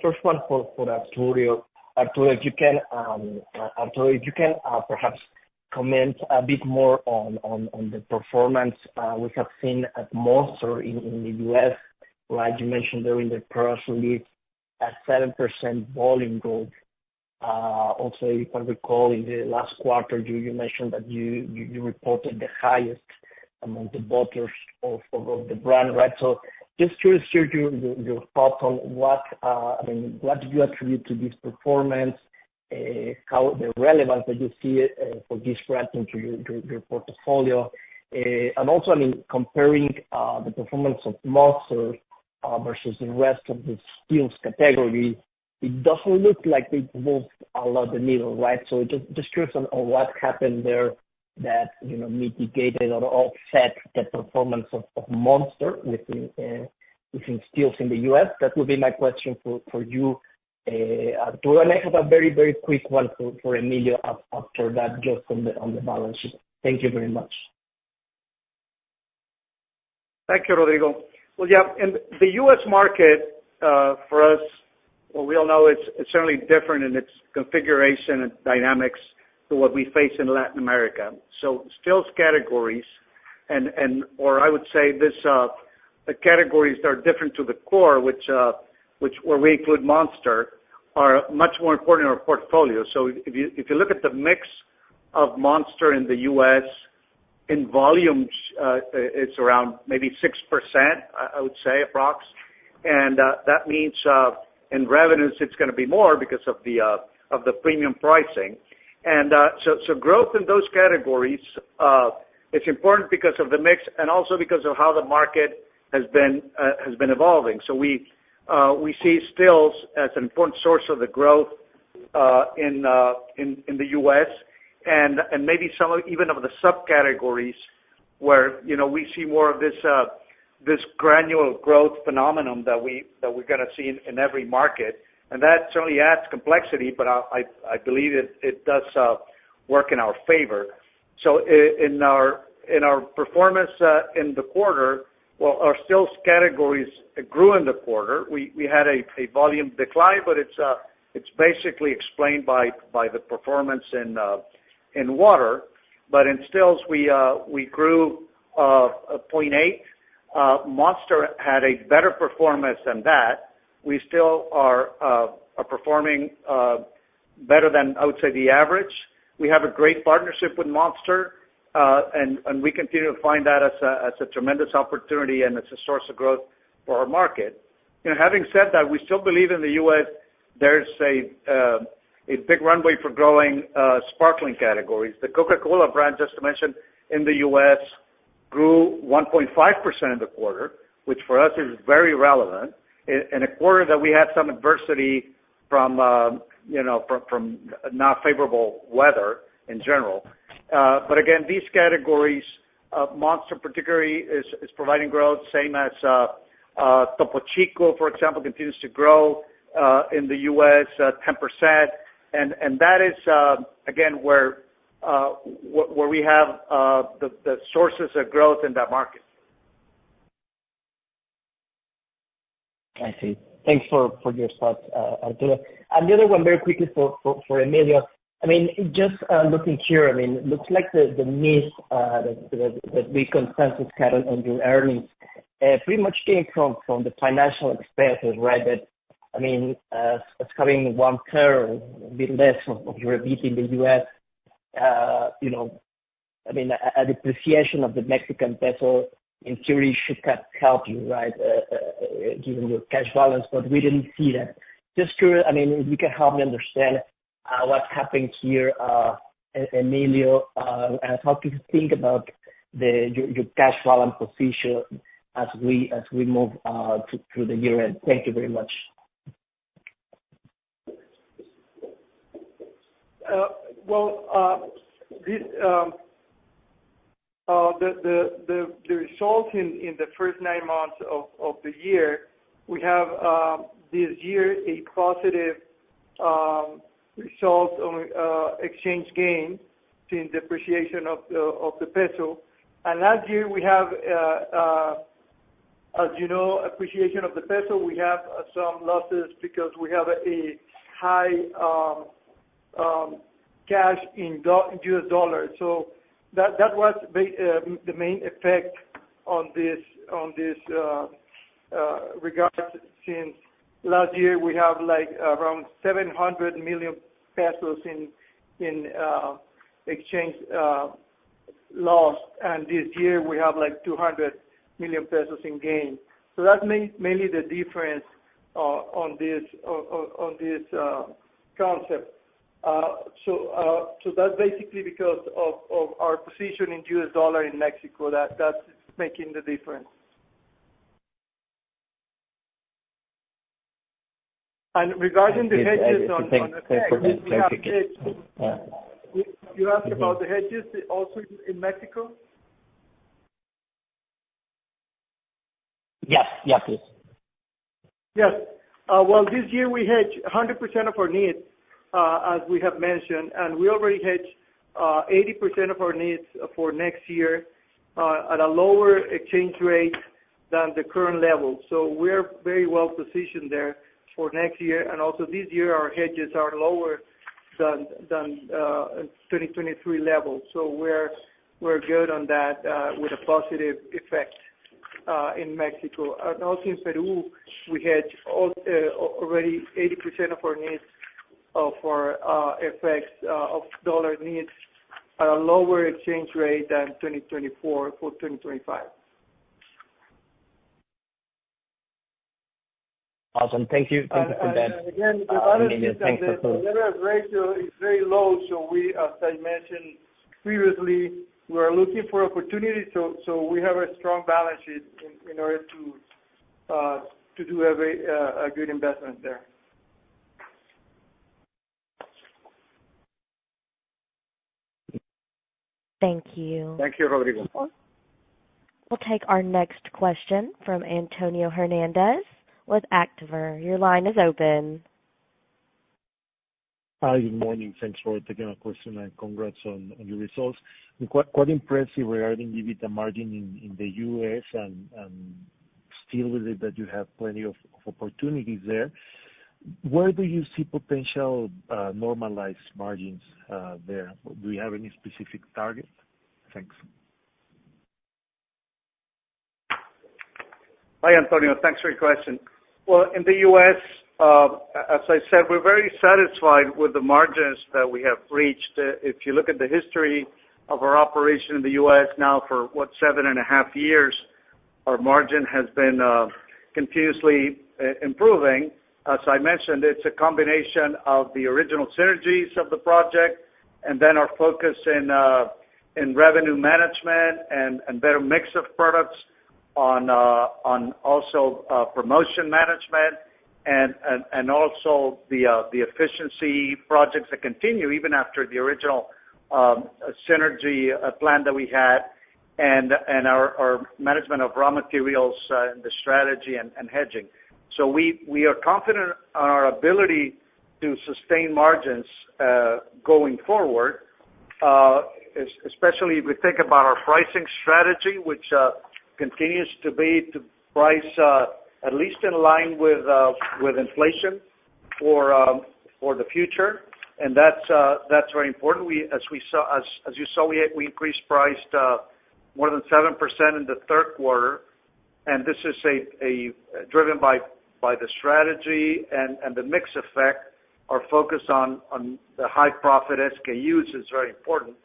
First one for Arturo. Arturo, if you can, perhaps comment a bit more on the performance we have seen at Monster in the US. Like you mentioned during the press release, a 7% volume growth. Also, if I recall, in the last quarter, you mentioned that you reported the highest among the bottlers of the brand, right? So just to share your thoughts on what, I mean, what do you attribute to this performance, how the relevance that you see for this brand into your, to your portfolio? And also, I mean, comparing the performance of Monster versus the rest of the stills category, it doesn't look like they moved a lot the needle, right? So just share some on what happened there that, you know, mitigated or offset the performance of Monster within stills in the U.S. That would be my question for you, Arturo, and I have a very, very quick one for Emilio after that, just on the balance sheet. Thank you very much.... Thank you, Rodrigo. Well, yeah, in the U.S. market, for us, well, we all know it's certainly different in its configuration and dynamics to what we face in Latin America. So stills categories and or I would say this, the categories that are different to the core, which where we include Monster, are much more important in our portfolio. So if you look at the mix of Monster in the U.S., in volumes, it's around maybe 6%, I would say, approximately. And that means in revenues it's gonna be more because of the premium pricing. And so growth in those categories is important because of the mix and also because of how the market has been evolving. We see stills as an important source of the growth in the U.S. and maybe some of even of the subcategories where, you know, we see more of this granular growth phenomenon that we're gonna see in every market. That certainly adds complexity, but I believe it does work in our favor. In our performance in the quarter, our stills categories grew in the quarter. We had a volume decline, but it's basically explained by the performance in water, but in stills we grew 0.8 point. Monster had a better performance than that. We still are performing better than I would say the average. We have a great partnership with Monster, and we continue to find that as a tremendous opportunity and as a source of growth for our market. You know, having said that, we still believe in the U.S., there's a big runway for growing sparkling categories. The Coca-Cola brand, just to mention, in the U.S., grew 1.5% in the quarter, which for us is very relevant, in a quarter that we had some adversity from, you know, from not favorable weather in general. But again, these categories, Monster particularly is providing growth, same as Topo Chico, for example, continues to grow in the U.S., 10%. And that is, again, where we have the sources of growth in that market. I see. Thanks for your thoughts, Arturo. And the other one, very quickly for Emilio. I mean, just looking here, I mean, it looks like the mix that the consensus we had on your earnings pretty much came from the financial expenses, right? That, I mean, having one third, a bit less of your EBITDA in the US, you know, I mean, a depreciation of the Mexican peso in theory should have helped you, right? Given your cash balance, but we didn't see that. Just to, I mean, if you can help me understand what's happened here, Emilio, and how do you think about your cash balance position as we move through the year end? Thank you very much. Well, the results in the first nine months of the year, we have this year a positive result on exchange gain since depreciation of the peso. And last year, we have, as you know, appreciation of the peso. We have some losses because we have a high cash in US dollars. So that was the main effect in this regard. Since last year, we have, like, around 700 million pesos in exchange loss, and this year we have, like, 200 million pesos in gain. So that's mainly the difference on this concept. So that's basically because of our position in U.S. dollar in Mexico, that's making the difference. And regarding the hedges on the- Thanks for that. You asked about the hedges also in Mexico? Yes. Yes, please. Yes. Well, this year we hedged 100% of our needs, as we have mentioned, and we already hedged 80% of our needs for next year at a lower exchange rate than the current level. So we're very well positioned there for next year. And also this year, our hedges are lower than 2023 levels. So we're good on that with a positive effect in Mexico. And also in Peru, we hedged already 80% of our needs of our FX of dollar needs at a lower exchange rate than 2024 for 2025. Awesome. Thank you. Again, the other thing is that- Thanks for closing. The leverage ratio is very low, so we, as I mentioned previously, we are looking for opportunities, so we have a strong balance sheet in order to do a very good investment there. Thank you. Thank you, Rodrigo. We'll take our next question from Antonio Hernández with Actinver. Your line is open.... Hi, good morning. Thanks for taking our question, and congrats on your results. Quite impressive regarding the EBITDA margin in the U.S. and still believe that you have plenty of opportunities there. Where do you see potential normalized margins there? Do you have any specific target? Thanks. Hi, Antonio. Thanks for your question. Well, in the US, as I said, we're very satisfied with the margins that we have reached. If you look at the history of our operation in the US now for, what, seven and a half years, our margin has been continuously improving. As I mentioned, it's a combination of the original synergies of the project and then our focus in revenue management and better mix of products on also promotion management and also the efficiency projects that continue even after the original synergy plan that we had, and our management of raw materials and the strategy and hedging. So we are confident on our ability to sustain margins, going forward, especially if we think about our pricing strategy, which continues to be to price at least in line with inflation for the future, and that's very important. As you saw, we increase price more than 7% in the third quarter, and this is driven by the strategy and the mix effect. Our focus on the high profit SKUs is very important,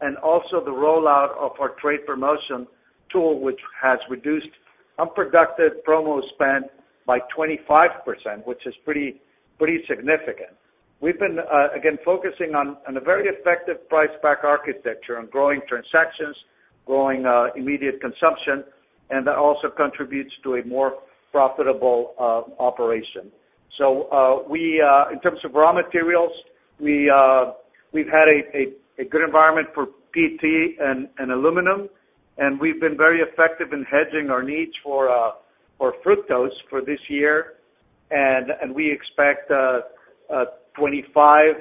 and also the rollout of our trade promotion tool, which has reduced unproductive promo spend by 25%, which is pretty significant. We've been again focusing on a very effective price-pack architecture, on growing transactions, growing immediate consumption, and that also contributes to a more profitable operation. So, in terms of raw materials, we've had a good environment for PET and aluminum, and we've been very effective in hedging our needs for fructose for this year. And we expect 2025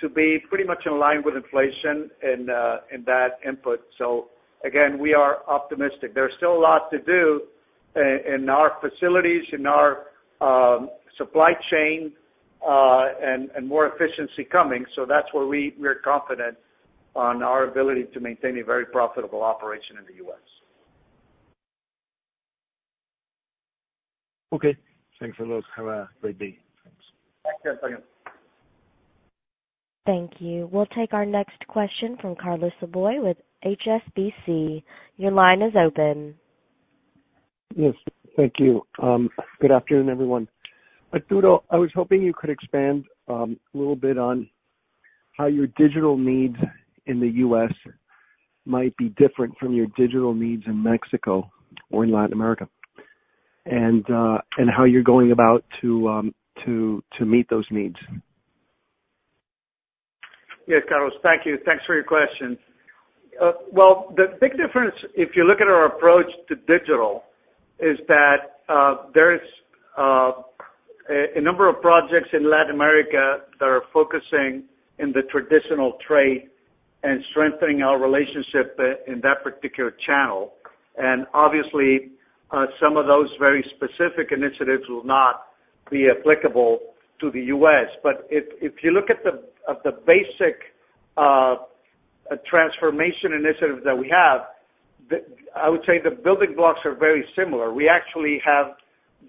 to be pretty much in line with inflation in that input. So again, we are optimistic. There's still a lot to do in our facilities, in our supply chain, and more efficiency coming, so that's where we're confident on our ability to maintain a very profitable operation in the US. Okay, thanks a lot. Have a great day. Thanks. Thanks, Antonio. Thank you. We'll take our next question from Carlos Laboy with HSBC. Your line is open. Yes, thank you. Good afternoon, everyone. Arturo, I was hoping you could expand a little bit on how your digital needs in the US might be different from your digital needs in Mexico or in Latin America, and how you're going about to meet those needs. Yes, Carlos. Thank you. Thanks for your question. Well, the big difference, if you look at our approach to digital, is that there's a number of projects in Latin America that are focusing in the traditional trade and strengthening our relationship in that particular channel. And obviously, some of those very specific initiatives will not be applicable to the US. But if you look at the basic transformation initiatives that we have, I would say the building blocks are very similar. We actually have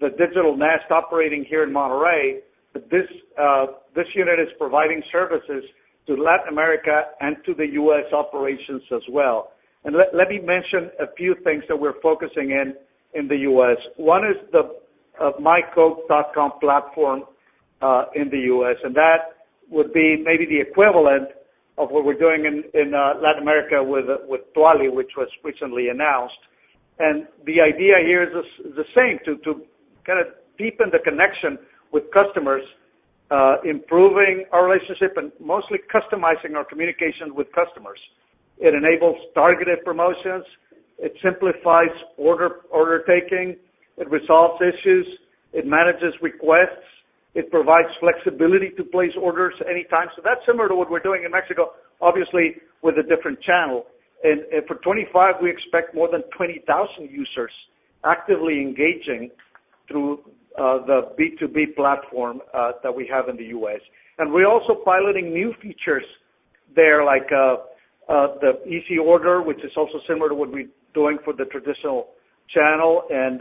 the Digital Nest operating here in Monterrey, but this unit is providing services to Latin America and to the US operations as well. And let me mention a few things that we're focusing in the US. One is the myCoke.com platform in the U.S., and that would be maybe the equivalent of what we're doing in Latin America with Tualy, which was recently announced. The idea here is the same, to kind of deepen the connection with customers, improving our relationship and mostly customizing our communication with customers. It enables targeted promotions, it simplifies order taking, it resolves issues, it manages requests, it provides flexibility to place orders anytime. That's similar to what we're doing in Mexico, obviously, with a different channel. For 2025, we expect more than 20,000 users actively engaging through the B2B platform that we have in the U.S. And we're also piloting new features there, like, the Easy Order, which is also similar to what we're doing for the traditional channel and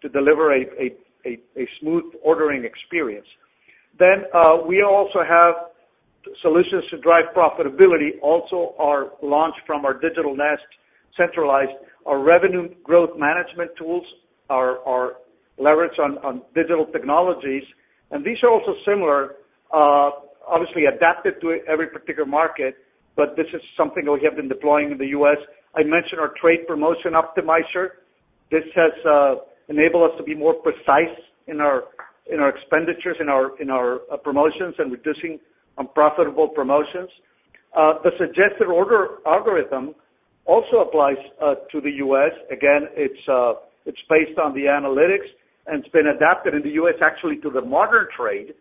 to deliver a smooth ordering experience. Then, we also have solutions to drive profitability, also are launched from our Digital Nest, centralized our revenue growth management tools, our leverage on digital technologies, and these are also similar, obviously adapted to every particular market, but this is something that we have been deploying in the US. I mentioned our Trade Promotion Optimizer. This has enabled us to be more precise in our expenditures, in our promotions and reducing unprofitable promotions. The suggested order algorithm also applies to the US. Again, it's based on the analytics, and it's been adapted in the U.S. actually to the modern trade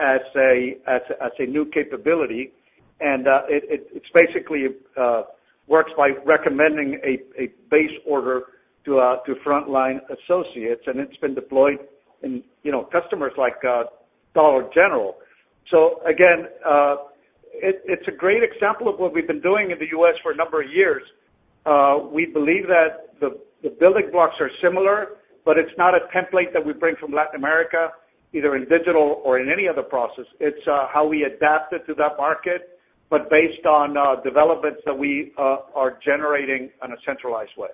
as a new capability. And, it's basically works by recommending a base order to frontline associates, and it's been deployed in, you know, customers like Dollar General. So again, it's a great example of what we've been doing in the U.S. for a number of years. We believe that the building blocks are similar, but it's not a template that we bring from Latin America, either in digital or in any other process. It's how we adapt it to that market, but based on developments that we are generating in a centralized way.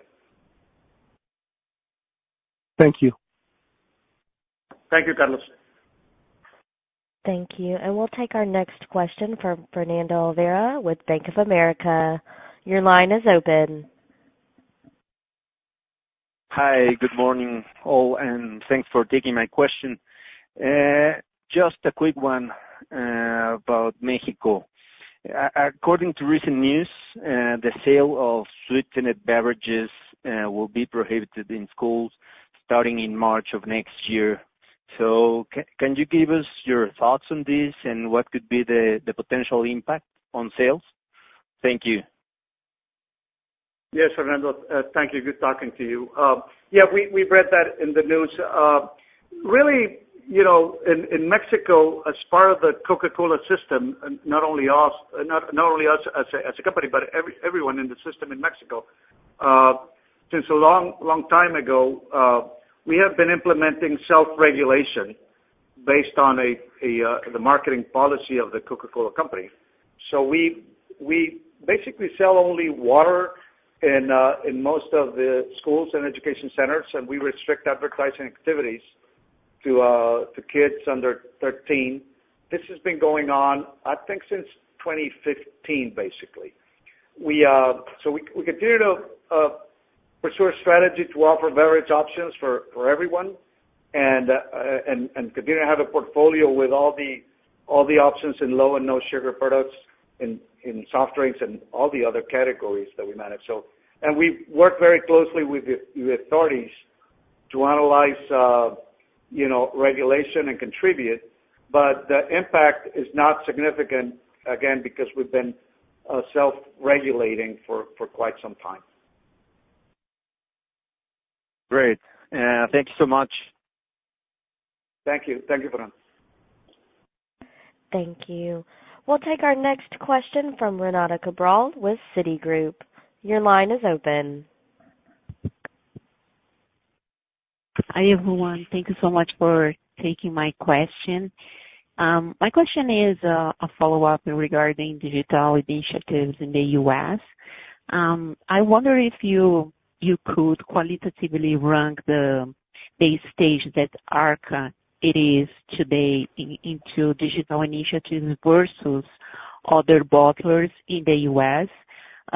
Thank you. Thank you, Carlos. Thank you. And we'll take our next question from Fernando Olvera with Bank of America. Your line is open. Hi, good morning, all, and thanks for taking my question. Just a quick one, about Mexico. According to recent news, the sale of sweetened beverages will be prohibited in schools starting in March of next year. So can you give us your thoughts on this and what could be the potential impact on sales? Thank you. Yes, Fernando, thank you. Good talking to you. Yeah, we've read that in the news. Really, you know, in Mexico, as part of the Coca-Cola system, and not only us as a company, but everyone in the system in Mexico, since a long, long time ago, we have been implementing self-regulation based on the marketing policy of the Coca-Cola Company. So we basically sell only water in most of the schools and education centers, and we restrict advertising activities to kids under thirteen. This has been going on, I think, since 2015, basically. We... We continue to pursue a strategy to offer various options for everyone and continue to have a portfolio with all the options in low and no sugar products in soft drinks and all the other categories that we manage. We work very closely with the authorities to analyze, you know, regulation and contribute, but the impact is not significant, again, because we've been self-regulating for quite some time. Great. Thank you so much. Thank you. Thank you, Fernando. Thank you. We'll take our next question from Renata Cabral with Citibank. Your line is open. Hi, everyone. Thank you so much for taking my question. My question is a follow-up regarding digital initiatives in the U.S. I wonder if you could qualitatively rank the stage that Arca Continental is today in digital initiatives versus other bottlers in the U.S.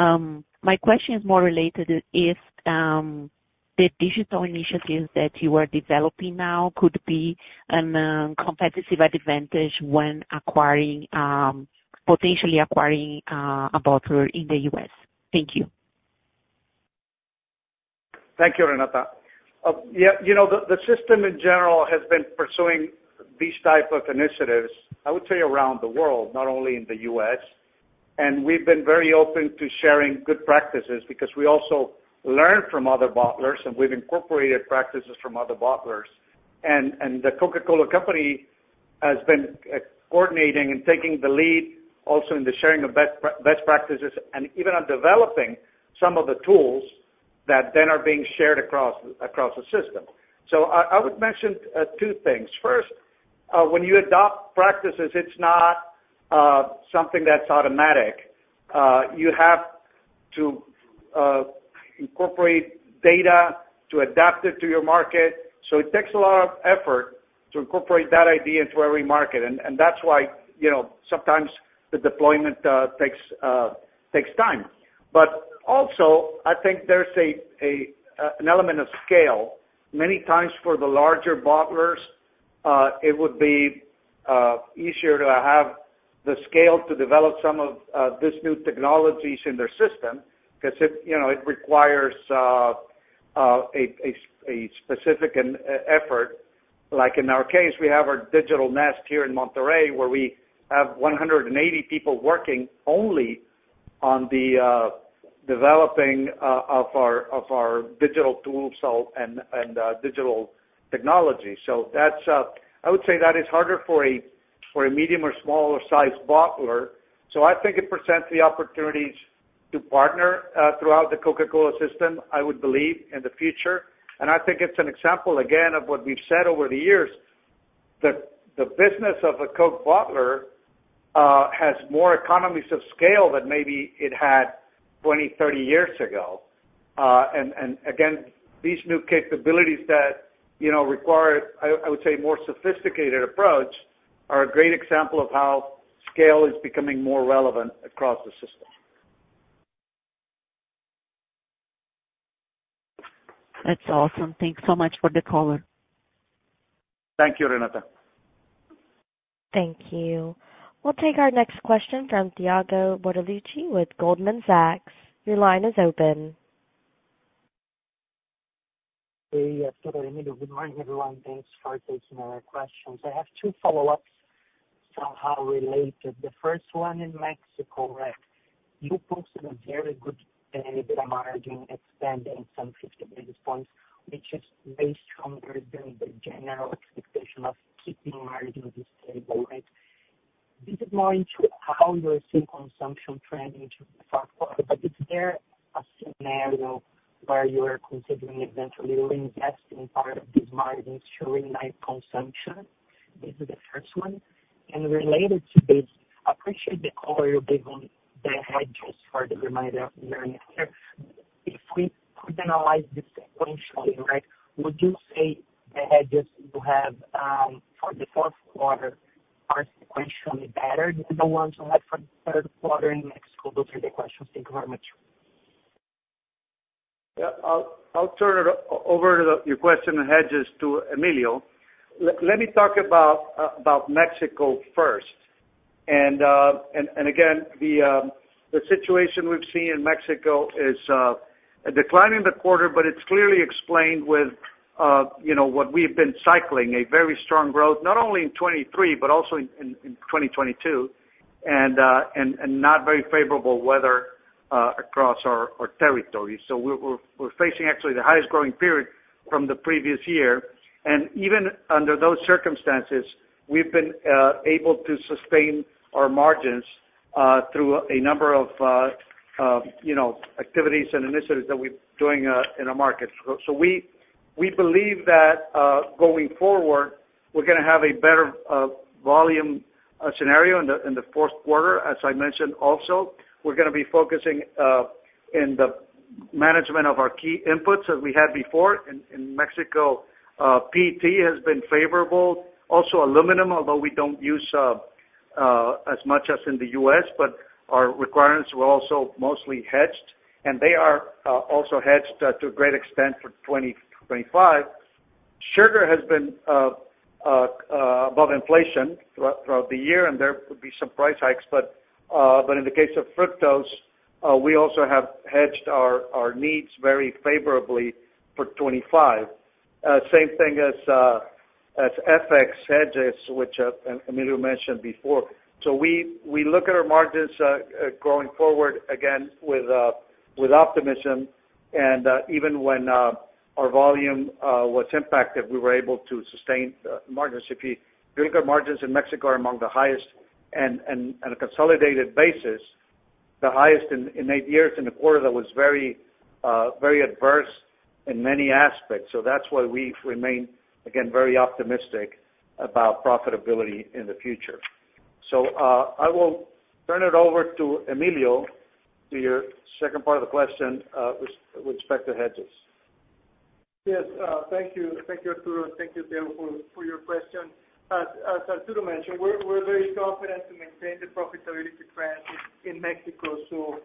My question is more related if the digital initiatives that you are developing now could be a competitive advantage when potentially acquiring a bottler in the U.S. Thank you. Thank you, Renata. Yeah, you know, the system in general has been pursuing these type of initiatives, I would say, around the world, not only in the U.S., and we've been very open to sharing good practices because we also learn from other bottlers, and we've incorporated practices from other bottlers. The Coca-Cola Company has been coordinating and taking the lead also in the sharing of best practices and even on developing some of the tools that then are being shared across the system. So I would mention two things: First, when you adopt practices, it's not something that's automatic. You have to incorporate data to adapt it to your market. So it takes a lot of effort to incorporate that idea into every market, and that's why, you know, sometimes the deployment takes time. But also, I think there's an element of scale. Many times for the larger bottlers, it would be easier to have the scale to develop some of these new technologies in their system, 'cause it, you know, it requires a specific effort. Like in our case, we have our Digital Nest here in Monterrey, where we have one hundred and eighty people working only on the developing of our digital tools, so and digital technology. So that's, I would say that is harder for a medium or smaller sized bottler. So I think it presents the opportunities to partner throughout the Coca-Cola system, I would believe, in the future. And I think it's an example, again, of what we've said over the years, that the business of a Coke bottler has more economies of scale than maybe it had twenty, thirty years ago. And again, these new capabilities that you know require I would say more sophisticated approach are a great example of how scale is becoming more relevant across the system.... That's awesome. Thanks so much for the call. Thank you, Renata. Thank you. We'll take our next question from Thiago Bortoluci with Goldman Sachs. Your line is open. Hey, Arturo, Emilio, good morning, everyone. Thanks for taking our questions. I have two follow-ups, somehow related. The first one in Mexico, right? You posted a very good EBITDA margin, expanding some fifty basis points, which is way stronger than the general expectation of keeping margin stable, right? This is more into how you see consumption trending into the fourth quarter, but is there a scenario where you are considering eventually reinvesting part of these margins to reignite consumption? This is the first one. And related to this, I appreciate the color you gave on the hedges for the remainder of the year next year. If we analyze this sequentially, right, would you say the hedges you have for the fourth quarter are sequentially better than the ones you had for the third quarter in Mexico? Those are the questions. Thank you very much. Yeah. I'll turn it over to Emilio on your question on hedges. Let me talk about Mexico first. And again, the situation we've seen in Mexico is a decline in the quarter, but it's clearly explained with, you know, what we've been cycling, a very strong growth, not only in 2023, but also in 2022, and not very favorable weather across our territory. So we're facing actually the highest growing period from the previous year. And even under those circumstances, we've been able to sustain our margins through a number of, you know, activities and initiatives that we're doing in our market. We believe that going forward, we're gonna have a better volume scenario in the fourth quarter. As I mentioned also, we're gonna be focusing in the management of our key inputs as we had before. In Mexico, PET has been favorable. Also, aluminum, although we don't use as much as in the U.S., but our requirements were also mostly hedged, and they are also hedged to a great extent for twenty twenty-five. Sugar has been above inflation throughout the year, and there would be some price hikes, but in the case of fructose, we also have hedged our needs very favorably for twenty-five. Same thing as FX hedges, which Emilio mentioned before. So we look at our margins going forward, again, with optimism, and even when our volume was impacted, we were able to sustain the margins. If you look at, margins in Mexico are among the highest, and on a consolidated basis, the highest in eight years, in a quarter that was very very adverse in many aspects. So that's why we remain, again, very optimistic about profitability in the future. So I will turn it over to Emilio, to your second part of the question, with respect to hedges. Yes. Thank you. Thank you, Arturo, thank you, Thiago, for your question. As Arturo mentioned, we're very confident to maintain the profitability trend in Mexico. So,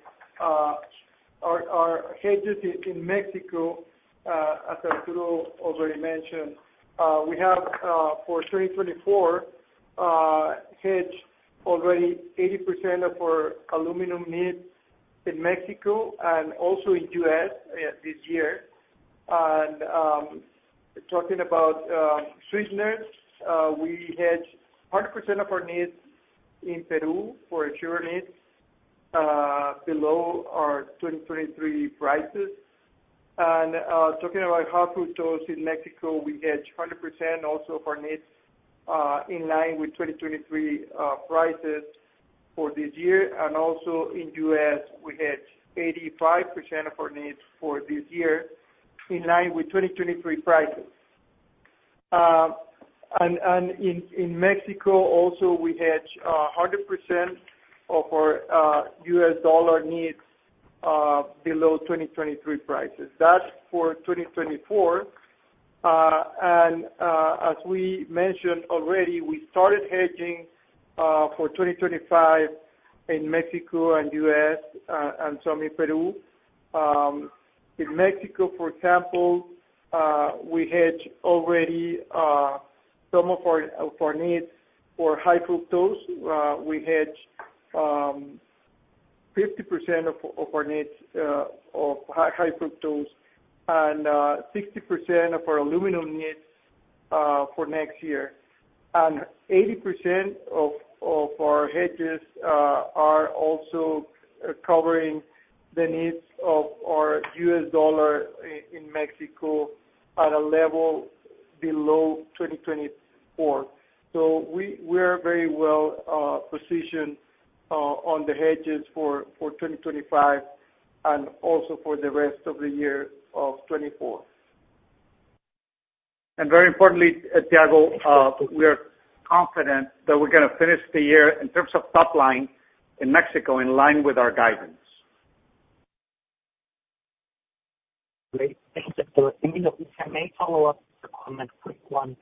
our hedges in Mexico, as Arturo already mentioned, we have for 2024 hedged already 80% of our aluminum needs in Mexico and also in U.S. this year. And, talking about sweeteners, we hedged 100% of our needs in Peru for sugar needs below our 2023 prices. And, talking about high fructose in Mexico, we hedged 100% also of our needs in line with 2023 prices for this year. And also in U.S., we hedged 85% of our needs for this year, in line with 2023 prices. And in Mexico also, we hedged 100% of our US dollar needs below 2023 prices. That's for 2024. And as we mentioned already, we started hedging for 2025 in Mexico and US, and some in Peru. In Mexico, for example, we hedged already some of our needs for high fructose. We hedged 50% of our needs of high fructose and 60% of our aluminum needs for next year. And 80% of our hedges are also covering the needs of our US dollar in Mexico at a level below 2024. So we are very well positioned on the hedges for 2025 and also for the rest of the year of 2024. Very importantly, Thiago, we are confident that we're gonna finish the year in terms of top line in Mexico, in line with our guidance. Great. Thank you, Arturo, Emilio. If I may follow up? One quick one.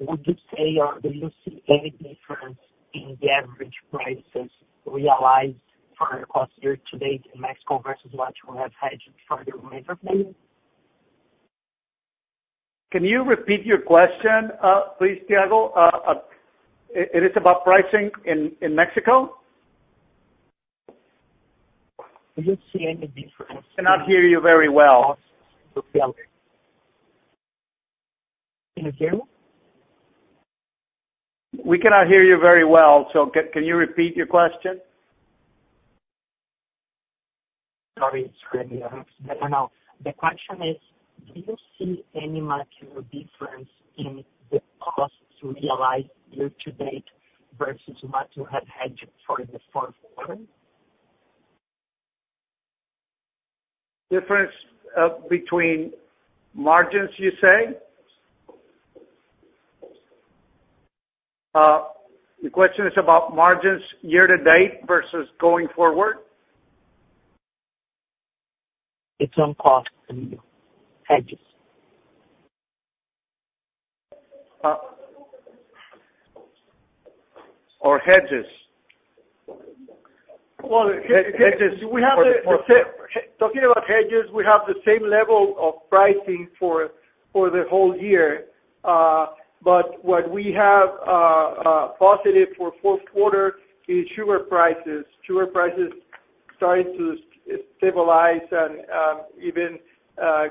Would you say, or do you see any difference in the average prices realized for costs year-to-date in Mexico versus what you have had for the remainder period? Can you repeat your question, please, Thiago? It is about pricing in Mexico? Do you see any difference- Cannot hear you very well. Can you hear me? We cannot hear you very well, so can you repeat your question? Sorry, I don't know. The question is: do you see any material difference in the costs realized year to date versus what you had hedged for the fourth quarter? Difference, between margins, you say? The question is about margins year to date versus going forward? It's on cost hedges. Or hedges? Well, hedges, we have the same. Talking about hedges, we have the same level of pricing for the whole year. But what we have positive for fourth quarter is sugar prices. Sugar prices starting to stabilize and even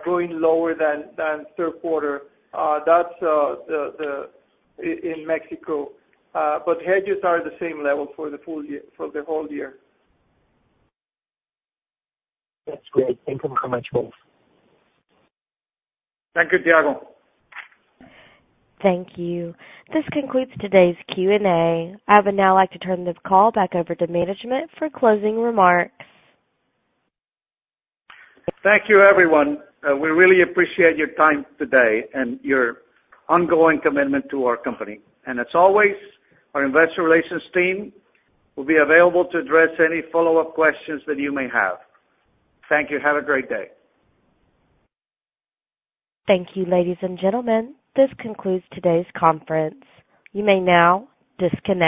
going lower than third quarter. That's in Mexico. But hedges are the same level for the full year, for the whole year. That's great. Thank you very much, both. Thank you, Thiago. Thank you. This concludes today's Q&A. I would now like to turn this call back over to management for closing remarks. Thank you, everyone. We really appreciate your time today and your ongoing commitment to our company, and as always, our investor relations team will be available to address any follow-up questions that you may have. Thank you, and have a great day. Thank you, ladies and gentlemen. This concludes today's conference. You may now disconnect.